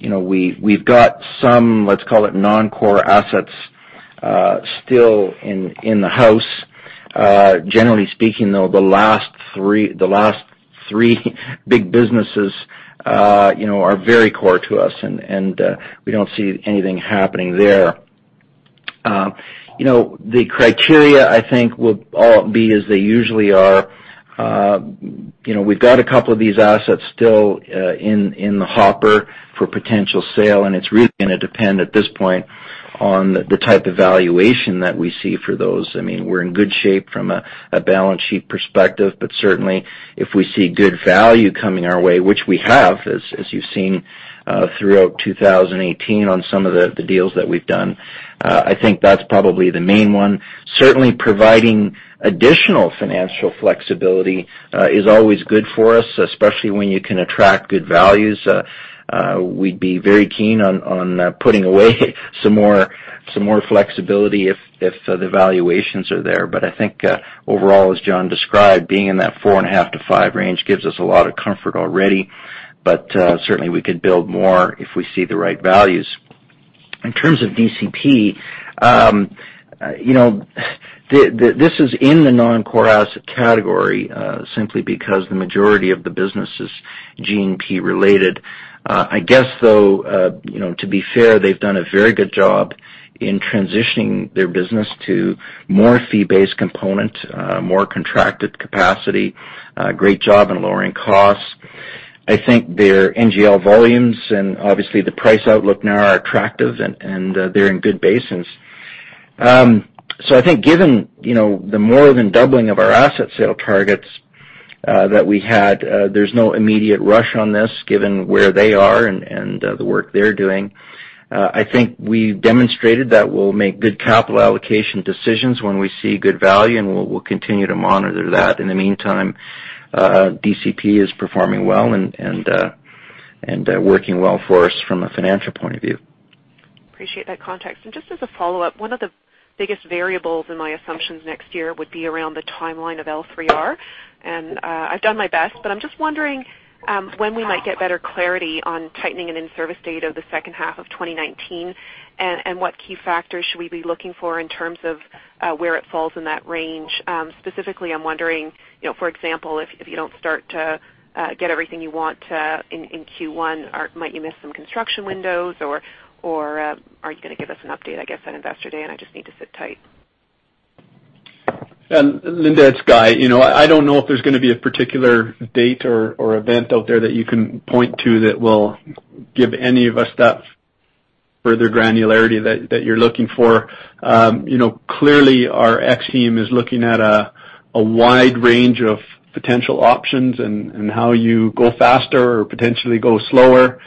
we've got some, let's call it non-core assets, still in the house. Generally speaking, though, the last three big businesses are very core to us, and we don't see anything happening there. The criteria, I think, will all be as they usually are. We've got a couple of these assets still in the hopper for potential sale, and it's really going to depend at this point on the type of valuation that we see for those. We're in good shape from a balance sheet perspective, but certainly if we see good value coming our way, which we have, as you've seen throughout 2018 on some of the deals that we've done, I think that's probably the main one. Certainly providing additional financial flexibility is always good for us, especially when you can attract good values. We'd be very keen on putting away some more flexibility if the valuations are there. I think, overall, as John described, being in that 4.5 to 5 range gives us a lot of comfort already, but certainly we could build more if we see the right values. In terms of DCP, this is in the non-core asset category, simply because the majority of the business is G&P related. I guess, though, to be fair, they've done a very good job in transitioning their business to more fee-based component, more contracted capacity, great job in lowering costs. I think their NGL volumes, and obviously the price outlook now are attractive and they're in good basins. I think given the more than doubling of our asset sale targets that we had, there's no immediate rush on this given where they are and the work they're doing. I think we've demonstrated that we'll make good capital allocation decisions when we see good value, and we'll continue to monitor that. In the meantime, DCP is performing well and working well for us from a financial point of view. Appreciate that context. Just as a follow-up, one of the biggest variables in my assumptions next year would be around the timeline of L3R, and I've done my best. I'm just wondering when we might get better clarity on tightening an in-service date of the second half of 2019, and what key factors should we be looking for in terms of where it falls in that range. Specifically, I'm wondering, for example, if you don't start to get everything you want in Q1, might you miss some construction windows, or are you going to give us an update, I guess, on Enbridge Day, and I just need to sit tight? Linda, it's Guy. I don't know if there's going to be a particular date or event out there that you can point to that will give any of us that further granularity that you're looking for. Clearly, our X team is looking at a wide range of potential options and how you go faster or potentially go slower.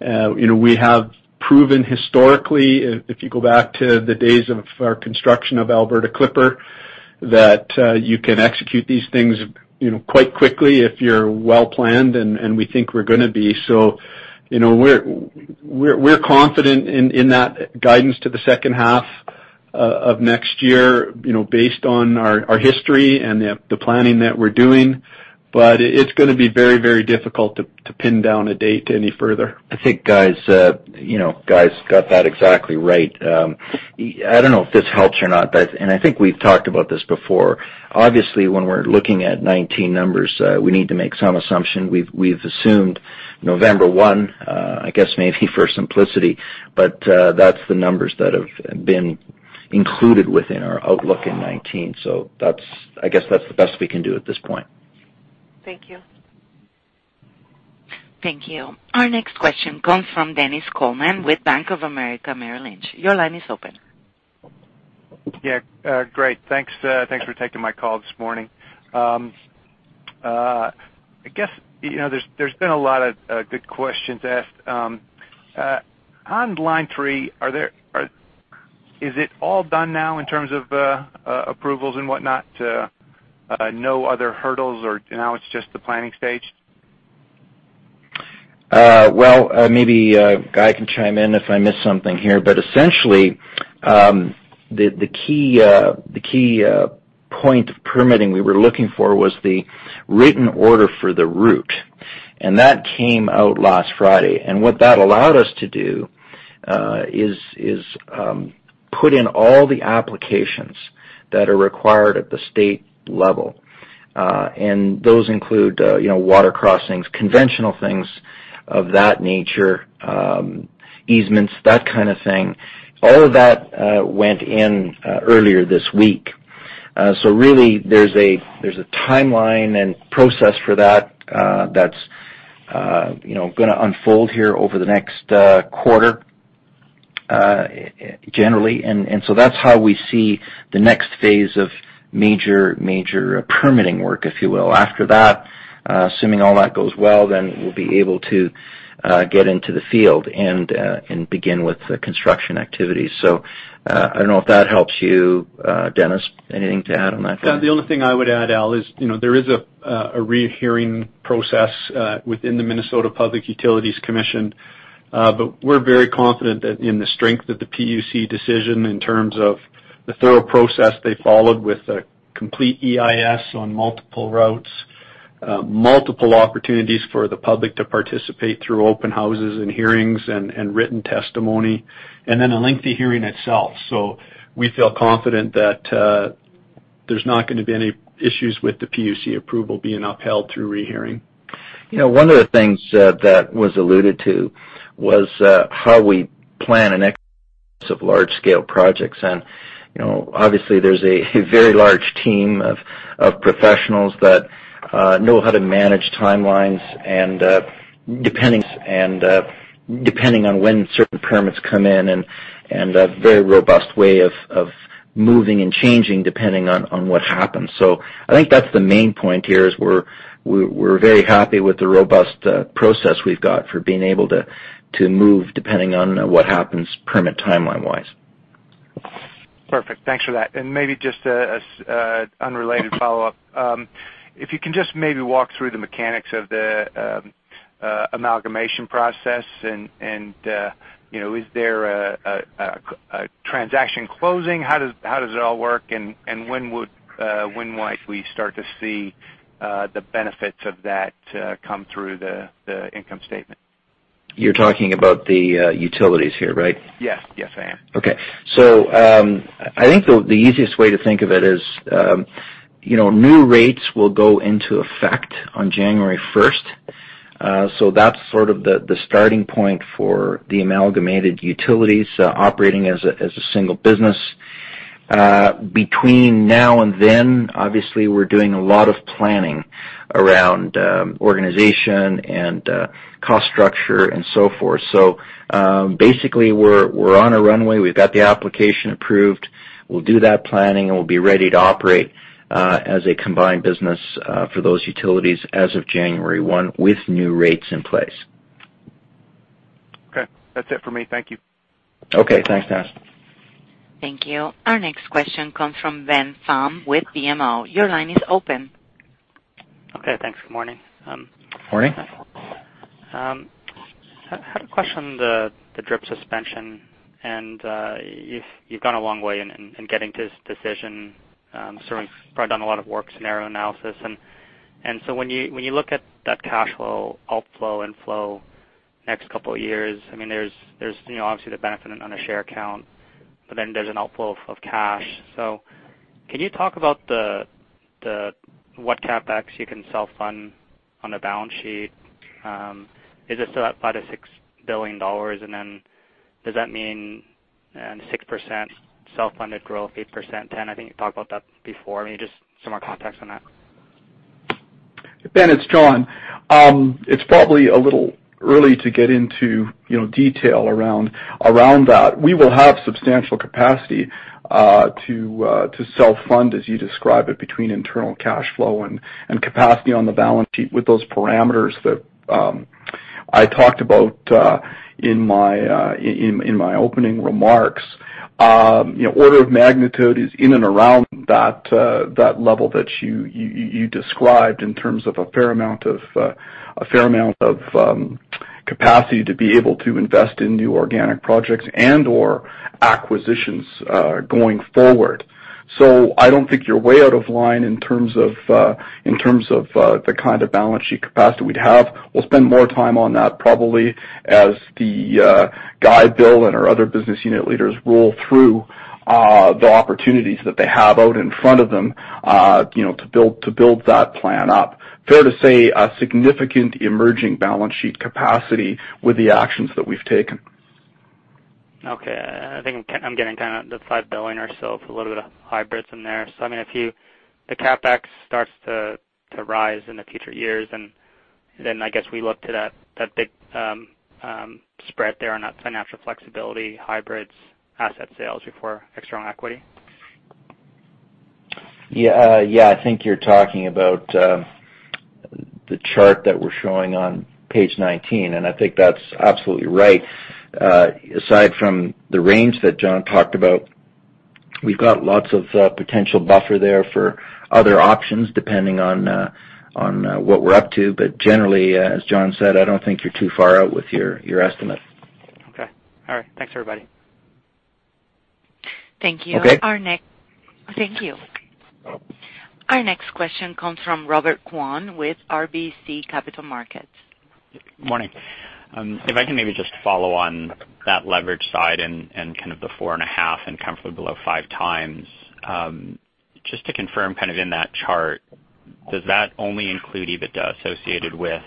We have proven historically, if you go back to the days of our construction of Alberta Clipper, that you can execute these things quite quickly if you're well-planned, and we think we're going to be. We're confident in that guidance to the second half of next year based on our history and the planning that we're doing. It's going to be very, very difficult to pin down a date any further. I think Guy's got that exactly right. I don't know if this helps or not, and I think we've talked about this before. Obviously, when we're looking at 2019 numbers, we need to make some assumption. We've assumed November 1, I guess maybe for simplicity, but that's the numbers that have been included within our outlook in 2019. I guess that's the best we can do at this point. Thank you. Thank you. Our next question comes from Dennis Coleman with Bank of America Merrill Lynch. Your line is open. Yeah. Great. Thanks for taking my call this morning. I guess there's been a lot of good questions asked. On Line 3, is it all done now in terms of approvals and whatnot? No other hurdles, or now it's just the planning stage? Well, maybe Guy can chime in if I miss something here. Essentially, the key point of permitting we were looking for was the written order for the route. That came out last Friday. What that allowed us to do is put in all the applications that are required at the state level. Those include water crossings, conventional things of that nature, easements, that kind of thing. All of that went in earlier this week. Really, there's a timeline and process for that's going to unfold here over the next quarter, generally. That's how we see the next phase of major permitting work, if you will. After that, assuming all that goes well, we'll be able to get into the field and begin with the construction activities. I don't know if that helps you. Dennis, anything to add on that? The only thing I would add, Al, is there is a rehearing process within the Minnesota Public Utilities Commission. We're very confident in the strength of the PUC decision in terms of the thorough process they followed with a complete EIS on multiple routes, multiple opportunities for the public to participate through open houses and hearings and written testimony, and a lengthy hearing itself. We feel confident that there's not going to be any issues with the PUC approval being upheld through rehearing. One of the things that was alluded to was how we plan and execute large-scale projects. Obviously, there's a very large team of professionals that know how to manage timelines and depending on when certain permits come in and a very robust way of moving and changing depending on what happens. I think that's the main point here is we're very happy with the robust process we've got for being able to move depending on what happens permit timeline-wise. Perfect. Thanks for that. Maybe just an unrelated follow-up. If you can just maybe walk through the mechanics of the amalgamation process, is there a transaction closing? How does it all work? When might we start to see the benefits of that come through the income statement? You're talking about the utilities here, right? Yes. Yes, I am. Okay. I think the easiest way to think of it is, new rates will go into effect on January 1st. That's sort of the starting point for the amalgamated utilities operating as a single business. Between now and then, obviously, we're doing a lot of planning around organization and cost structure and so forth. Basically, we're on a runway. We've got the application approved. We'll do that planning, and we'll be ready to operate as a combined business for those utilities as of January 1, with new rates in place. Okay. That's it for me. Thank you. Okay. Thanks, Dennis. Thank you. Our next question comes from Ben Pham with BMO. Your line is open. Okay, thanks. Good morning. Morning. I had a question on the DRIP suspension. You've gone a long way in getting to this decision. I'm sure you've probably done a lot of work scenario analysis. When you look at that cash flow, outflow and flow next couple of years, there's obviously the benefit on a share count, but then there's an outflow of cash. Can you talk about what CapEx you can self-fund on the balance sheet? Is it still at 5 billion-6 billion dollars? Does that mean 6% self-funded growth, 8%, 10%? I think you talked about that before. Maybe just some more context on that. Ben, it's John. It's probably a little early to get into detail around that. We will have substantial capacity to self-fund, as you describe it, between internal cash flow and capacity on the balance sheet with those parameters that I talked about in my opening remarks. Order of magnitude is in and around that level that you described in terms of a fair amount of capacity to be able to invest in new organic projects and/or acquisitions going forward. I don't think you're way out of line in terms of the kind of balance sheet capacity we'd have. We'll spend more time on that probably as Guy and Bill and our other business unit leaders roll through the opportunities that they have out in front of them to build that plan up. Fair to say, a significant emerging balance sheet capacity with the actions that we've taken. Okay. I think I'm getting kind of the 5 billion or so for a little bit of hybrids in there. If the CapEx starts to rise in the future years, I guess we look to that big spread there on that financial flexibility, hybrids, asset sales before external equity. Yeah. I think you're talking about the chart that we're showing on page 19. I think that's absolutely right. Aside from the range that John talked about, we've got lots of potential buffer there for other options, depending on what we're up to. Generally, as John said, I don't think you're too far out with your estimate. Okay. All right. Thanks, everybody. Thank you. Okay. Thank you. Our next question comes from Robert Kwan with RBC Capital Markets. Morning. If I can maybe just follow on that leverage side and kind of the 4.5 and comfortably below 5 times. Just to confirm in that chart, does that only include EBITDA associated with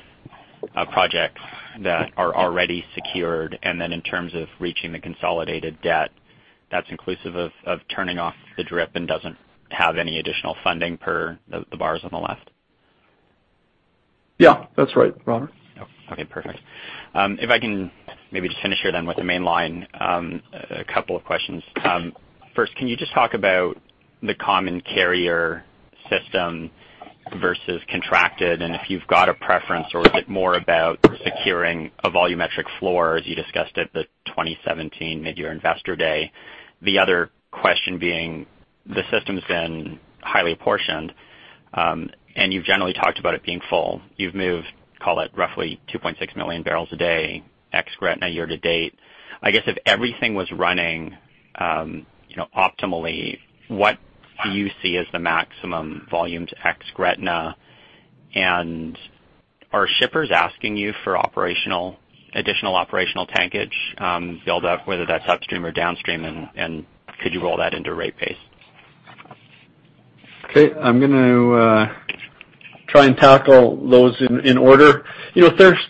projects that are already secured? In terms of reaching the consolidated debt, that's inclusive of turning off the DRIP and doesn't have any additional funding per the bars on the left? Yeah. That's right, Robert. Okay, perfect. If I can maybe just finish here with the Mainline, a couple of questions. First, can you just talk about the common carrier system versus contracted? If you've got a preference or is it more about securing a volumetric floor, as you discussed at the 2017 mid-year Enbridge Day? The other question being, the system's been highlyapportioned, and you've generally talked about it being full. You've moved, call it, roughly 2.6 million barrels a day ex Gretna year to date. I guess if everything was running optimally, what do you see as the maximum volume to ex Gretna? Are shippers asking you for additional operational tankage, Bill, whether that's upstream or downstream? Could you roll that into rate base? Okay. I'm going to try and tackle those in order.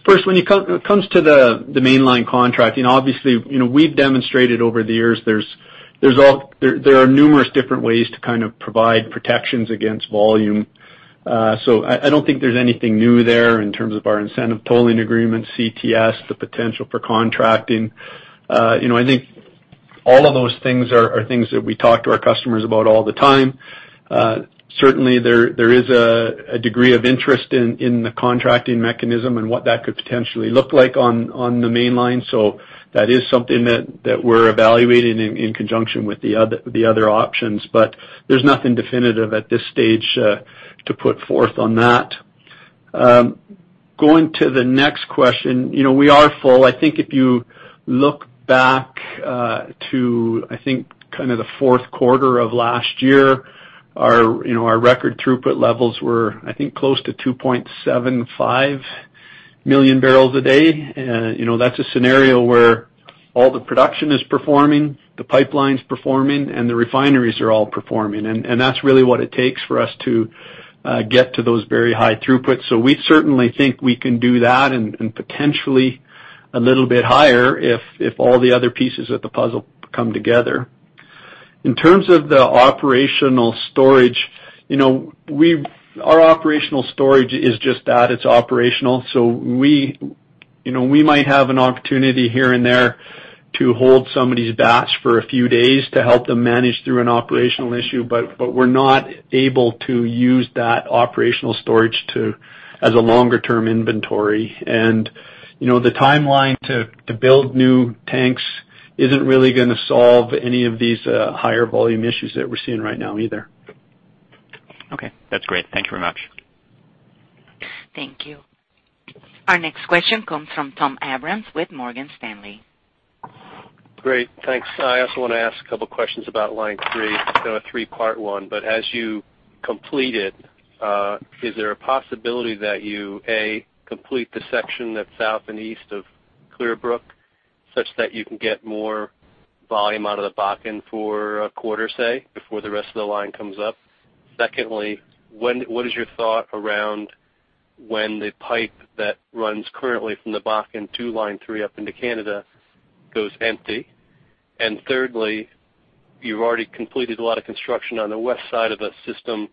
First, when it comes to the Mainline contract, obviously, we've demonstrated over the years There are numerous different ways to provide protections against volume. I don't think there's anything new there in terms of our incentive tolling agreement, CTS, the potential for contracting. I think all of those things are things that we talk to our customers about all the time. Certainly, there is a degree of interest in the contracting mechanism and what that could potentially look like on the Mainline. That is something that we're evaluating in conjunction with the other options, but there's nothing definitive at this stage to put forth on that. Going to the next question. We are full. I think if you look back to, I think, the fourth quarter of last year, our record throughput levels were, I think, close to 2.75 million barrels a day. That's a scenario where all the production is performing, the pipeline's performing, and the refineries are all performing. That's really what it takes for us to get to those very high throughputs. We certainly think we can do that and potentially a little bit higher if all the other pieces of the puzzle come together. In terms of the operational storage, our operational storage is just that, it's operational. We might have an opportunity here and there to hold somebody's batch for a few days to help them manage through an operational issue, but we're not able to use that operational storage as a longer-term inventory. The timeline to build new tanks is not really going to solve any of these higher volume issues that we are seeing right now either. Okay. That is great. Thank you very much. Thank you. Our next question comes from Tom Abrams with Morgan Stanley. Great. Thanks. I also want to ask a couple questions about Line 3. It is kind of a three-part one. As you complete it, is there a possibility that you, A, complete the section that is south and east of Clearbrook, such that you can get more volume out of the Bakken for a quarter, say, before the rest of the line comes up? Secondly, what is your thought around when the pipe that runs currently from the Bakken to Line 3 up into Canada goes empty? Thirdly, you have already completed a lot of construction on the west side of the system.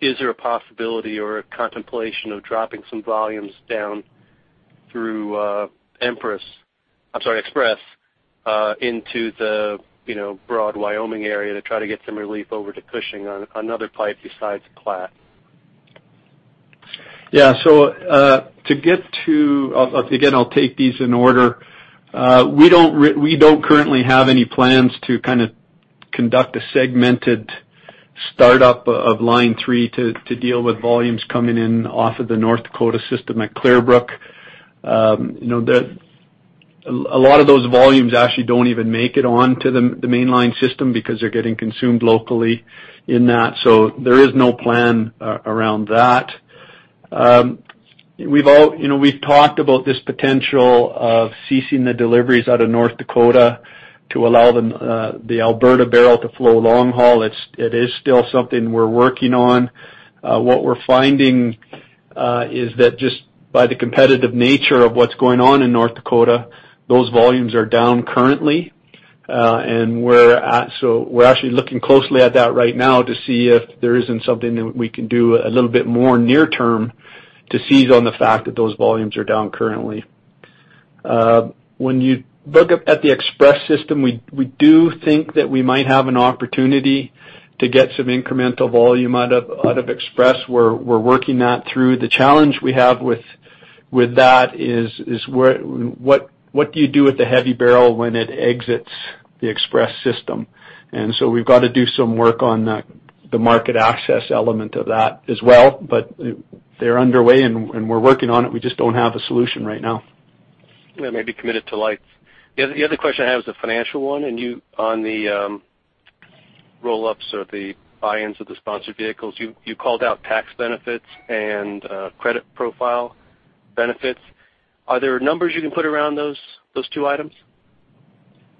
Is there a possibility or a contemplation of dropping some volumes down through Empress, I am sorry, Express into the broad Wyoming area to try to get some relief over to Cushing on another pipe besides Platte? Yeah. Again, I'll take these in order. We don't currently have any plans to conduct a segmented start-up of Line 3 to deal with volumes coming in off of the North Dakota system at Clearbrook. A lot of those volumes actually don't even make it onto the Mainline system because they're getting consumed locally in that. There is no plan around that. We've talked about this potential of ceasing the deliveries out of North Dakota to allow the Alberta barrel to flow long haul. It is still something we're working on. What we're finding is that just by the competitive nature of what's going on in North Dakota, those volumes are down currently. We're actually looking closely at that right now to see if there isn't something that we can do a little bit more near term to seize on the fact that those volumes are down currently. When you look at the Express system, we do think that we might have an opportunity to get some incremental volume out of Express. We're working that through. The challenge we have with that is, what do you do with the heavy barrel when it exits the Express system? We've got to do some work on the market access element of that as well, but they're underway, and we're working on it. We just don't have a solution right now. That may be committed to lights. The other question I have is a financial one. On the roll-ups or the buy-ins of the sponsored vehicles, you called out tax benefits and credit profile benefits. Are there numbers you can put around those two items?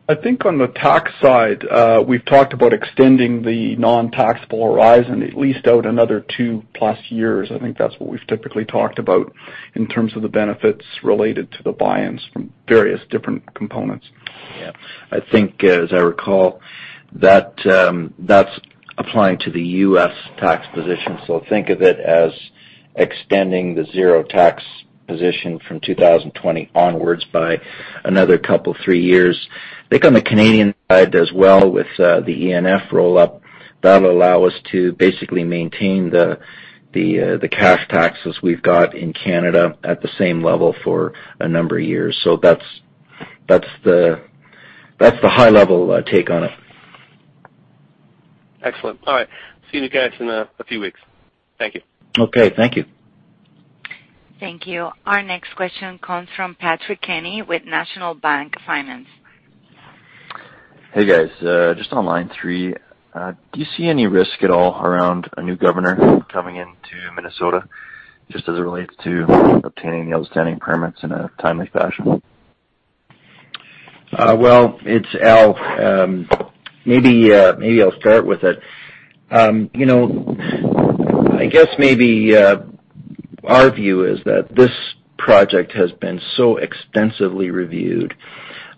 I think on the tax side, we've talked about extending the non-taxable horizon at least out another 2-plus years. I think that's what we've typically talked about in terms of the benefits related to the buy-ins from various different components. Yeah. I think, as I recall, that's applying to the U.S. tax position. Think of it as extending the zero tax position from 2020 onwards by another couple, three years. I think on the Canadian side as well with the ENF roll-up, that'll allow us to basically maintain the cash taxes we've got in Canada at the same level for a number of years. That's the high-level take on it. Excellent. All right. See you guys in a few weeks. Thank you. Okay. Thank you. Thank you. Our next question comes from Patrick Kenny with National Bank Financial. Hey, guys. Just on Line 3, do you see any risk at all around a new governor coming into Minnesota, just as it relates to obtaining the outstanding permits in a timely fashion? Well, it's Al. Maybe I'll start with it. Our view is that this project has been so extensively reviewed,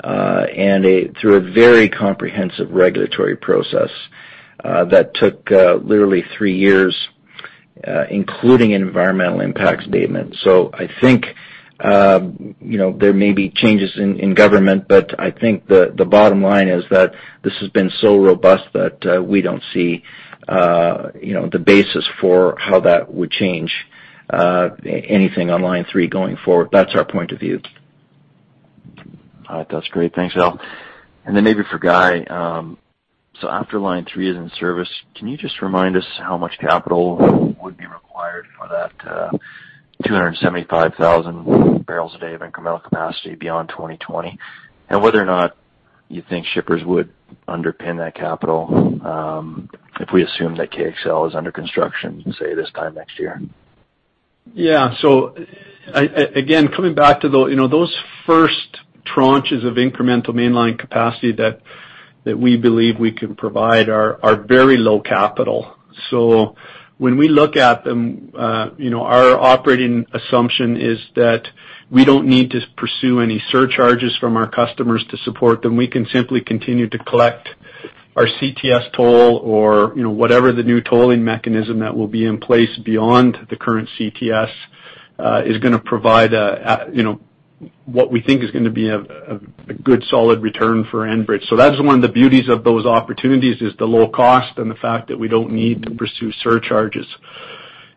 and through a very comprehensive regulatory process that took literally three years, including environmental impact statement. I think there may be changes in government, I think the bottom line is that this has been so robust that we don't see the basis for how that would change anything on Line 3 going forward. That's our point of view. All right. That's great. Thanks, Al. Maybe for Guy. After Line 3 is in service, can you just remind us how much capital would be required for that 275,000 barrels a day of incremental capacity beyond 2020? Whether or not you think shippers would underpin that capital, if we assume that KXL is under construction, say, this time next year. Yeah. Again, coming back to those first tranches of incremental Mainline capacity that we believe we can provide are very low capital. When we look at them, our operating assumption is that we don't need to pursue any surcharges from our customers to support them. We can simply continue to collect our CTS toll or whatever the new tolling mechanism that will be in place beyond the current CTS, is going to provide what we think is going to be a good, solid return for Enbridge. That is one of the beauties of those opportunities, is the low cost and the fact that we don't need to pursue surcharges.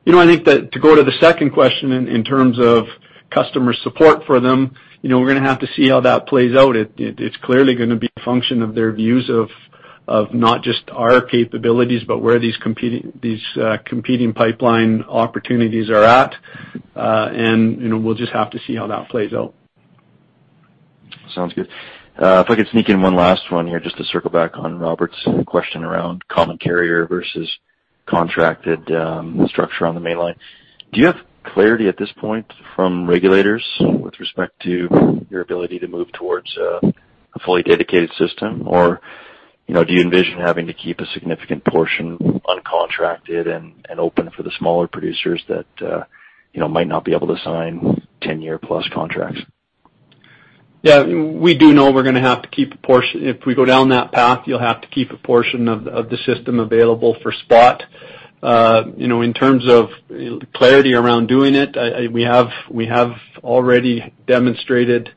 I think that to go to the second question in terms of customer support for them, we're going to have to see how that plays out. It's clearly going to be a function of their views of not just our capabilities, but where these competing pipeline opportunities are at. We'll just have to see how that plays out. Sounds good. If I could sneak in one last one here, just to circle back on Robert's question around common carrier versus contracted structure on the Mainline. Do you have clarity at this point from regulators with respect to your ability to move towards a fully dedicated system? Or do you envision having to keep a significant portion uncontracted and open for the smaller producers that might not be able to sign 10-year-plus contracts? Yeah. We do know if we go down that path, you'll have to keep a portion of the system available for spot. In terms of clarity around doing it, we have already demonstrated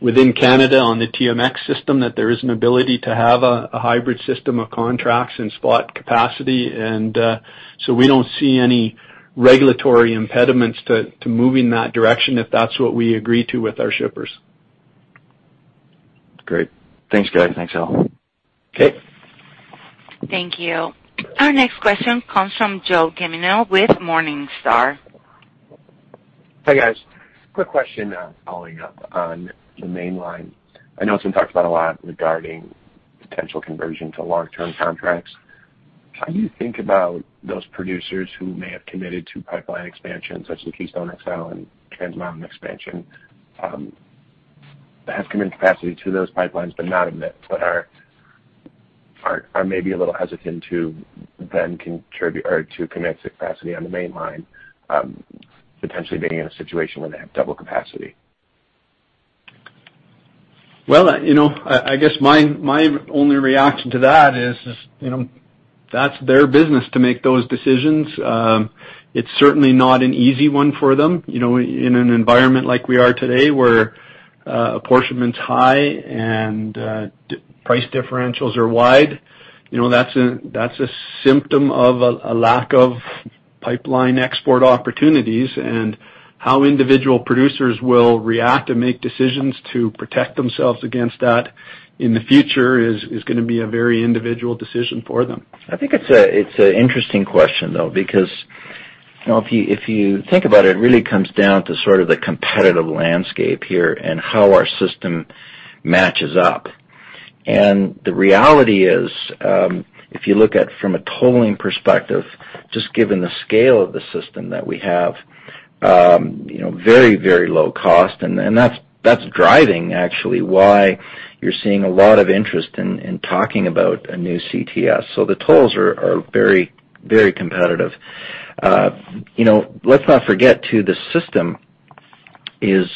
within Canada on the TMX system that there is an ability to have a hybrid system of contracts and spot capacity. We don't see any regulatory impediments to moving in that direction if that's what we agree to with our shippers. Great. Thanks, Guy. Thanks, Al. Okay. Thank you. Our next question comes from Joe Gemino with Morningstar. Hi, guys. Quick question following up on the Mainline. I know it's been talked about a lot regarding potential conversion to long-term contracts. How do you think about those producers who may have committed to pipeline expansion, such as Keystone XL and Trans Mountain Expansion, that have committed capacity to those pipelines, but are maybe a little hesitant to commit capacity on the Mainline, potentially being in a situation where they have double capacity? Well, I guess my only reaction to that is, that's their business to make those decisions. It's certainly not an easy one for them. In an environment like we are today where apportionment's high and price differentials are wide, that's a symptom of a lack of pipeline export opportunities and how individual producers will react and make decisions to protect themselves against that in the future is going to be a very individual decision for them. I think it's an interesting question, though, because if you think about it really comes down to the competitive landscape here and how our system matches up. The reality is, if you look at it from a tolling perspective, just given the scale of the system that we have, very low cost and that's driving actually why you're seeing a lot of interest in talking about a new CTS. The tolls are very competitive. Let's not forget, too, the system is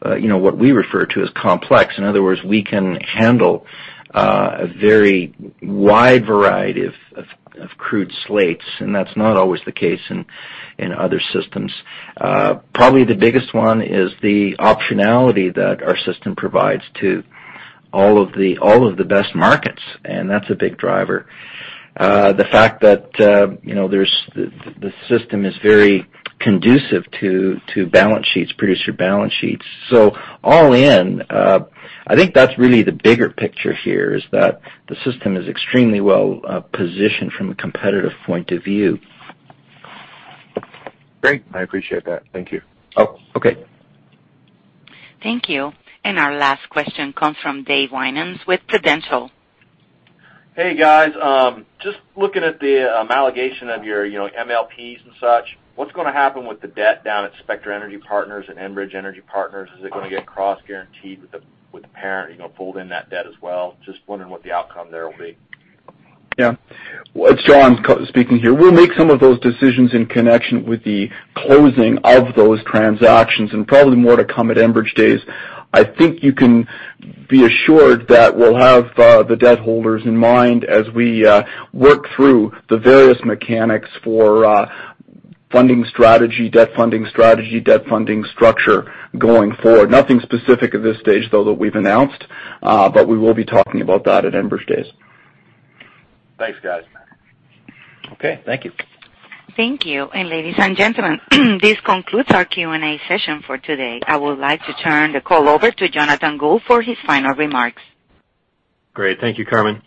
what we refer to as complex. In other words, we can handle a very wide variety of crude slates, and that's not always the case in other systems. Probably the biggest one is the optionality that our system provides to all of the best markets, and that's a big driver. The fact that the system is very conducive to producer balance sheets. All in, I think that's really the bigger picture here, is that the system is extremely well-positioned from a competitive point of view. Great. I appreciate that. Thank you. Oh, okay. Thank you. Our last question comes from David Winans with Prudential. Hey, guys. Just looking at the amalgamation of your MLPs and such, what's going to happen with the debt down at Spectra Energy Partners and Enbridge Energy Partners? Is it going to get cross-guaranteed with the parent? Are you going to fold in that debt as well? Just wondering what the outcome there will be. Yeah. It's John speaking here. We'll make some of those decisions in connection with the closing of those transactions and probably more to come at Enbridge Days. I think you can be assured that we'll have the debt holders in mind as we work through the various mechanics for debt funding strategy, debt funding structure going forward. Nothing specific at this stage, though, that we've announced. We will be talking about that at Enbridge Days. Thanks, guys. Okay. Thank you. Thank you. Ladies and gentlemen, this concludes our Q&A session for today. I would like to turn the call over to Jonathan Gould for his final remarks. Great. Thank you, Carmen.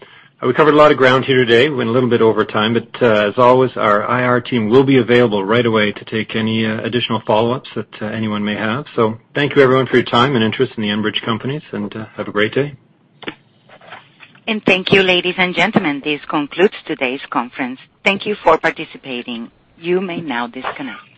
We covered a lot of ground here today. Went a little bit over time, as always, our IR team will be available right away to take any additional follow-ups that anyone may have. Thank you, everyone, for your time and interest in the Enbridge companies, and have a great day. Thank you, ladies and gentlemen. This concludes today's conference. Thank you for participating. You may now disconnect.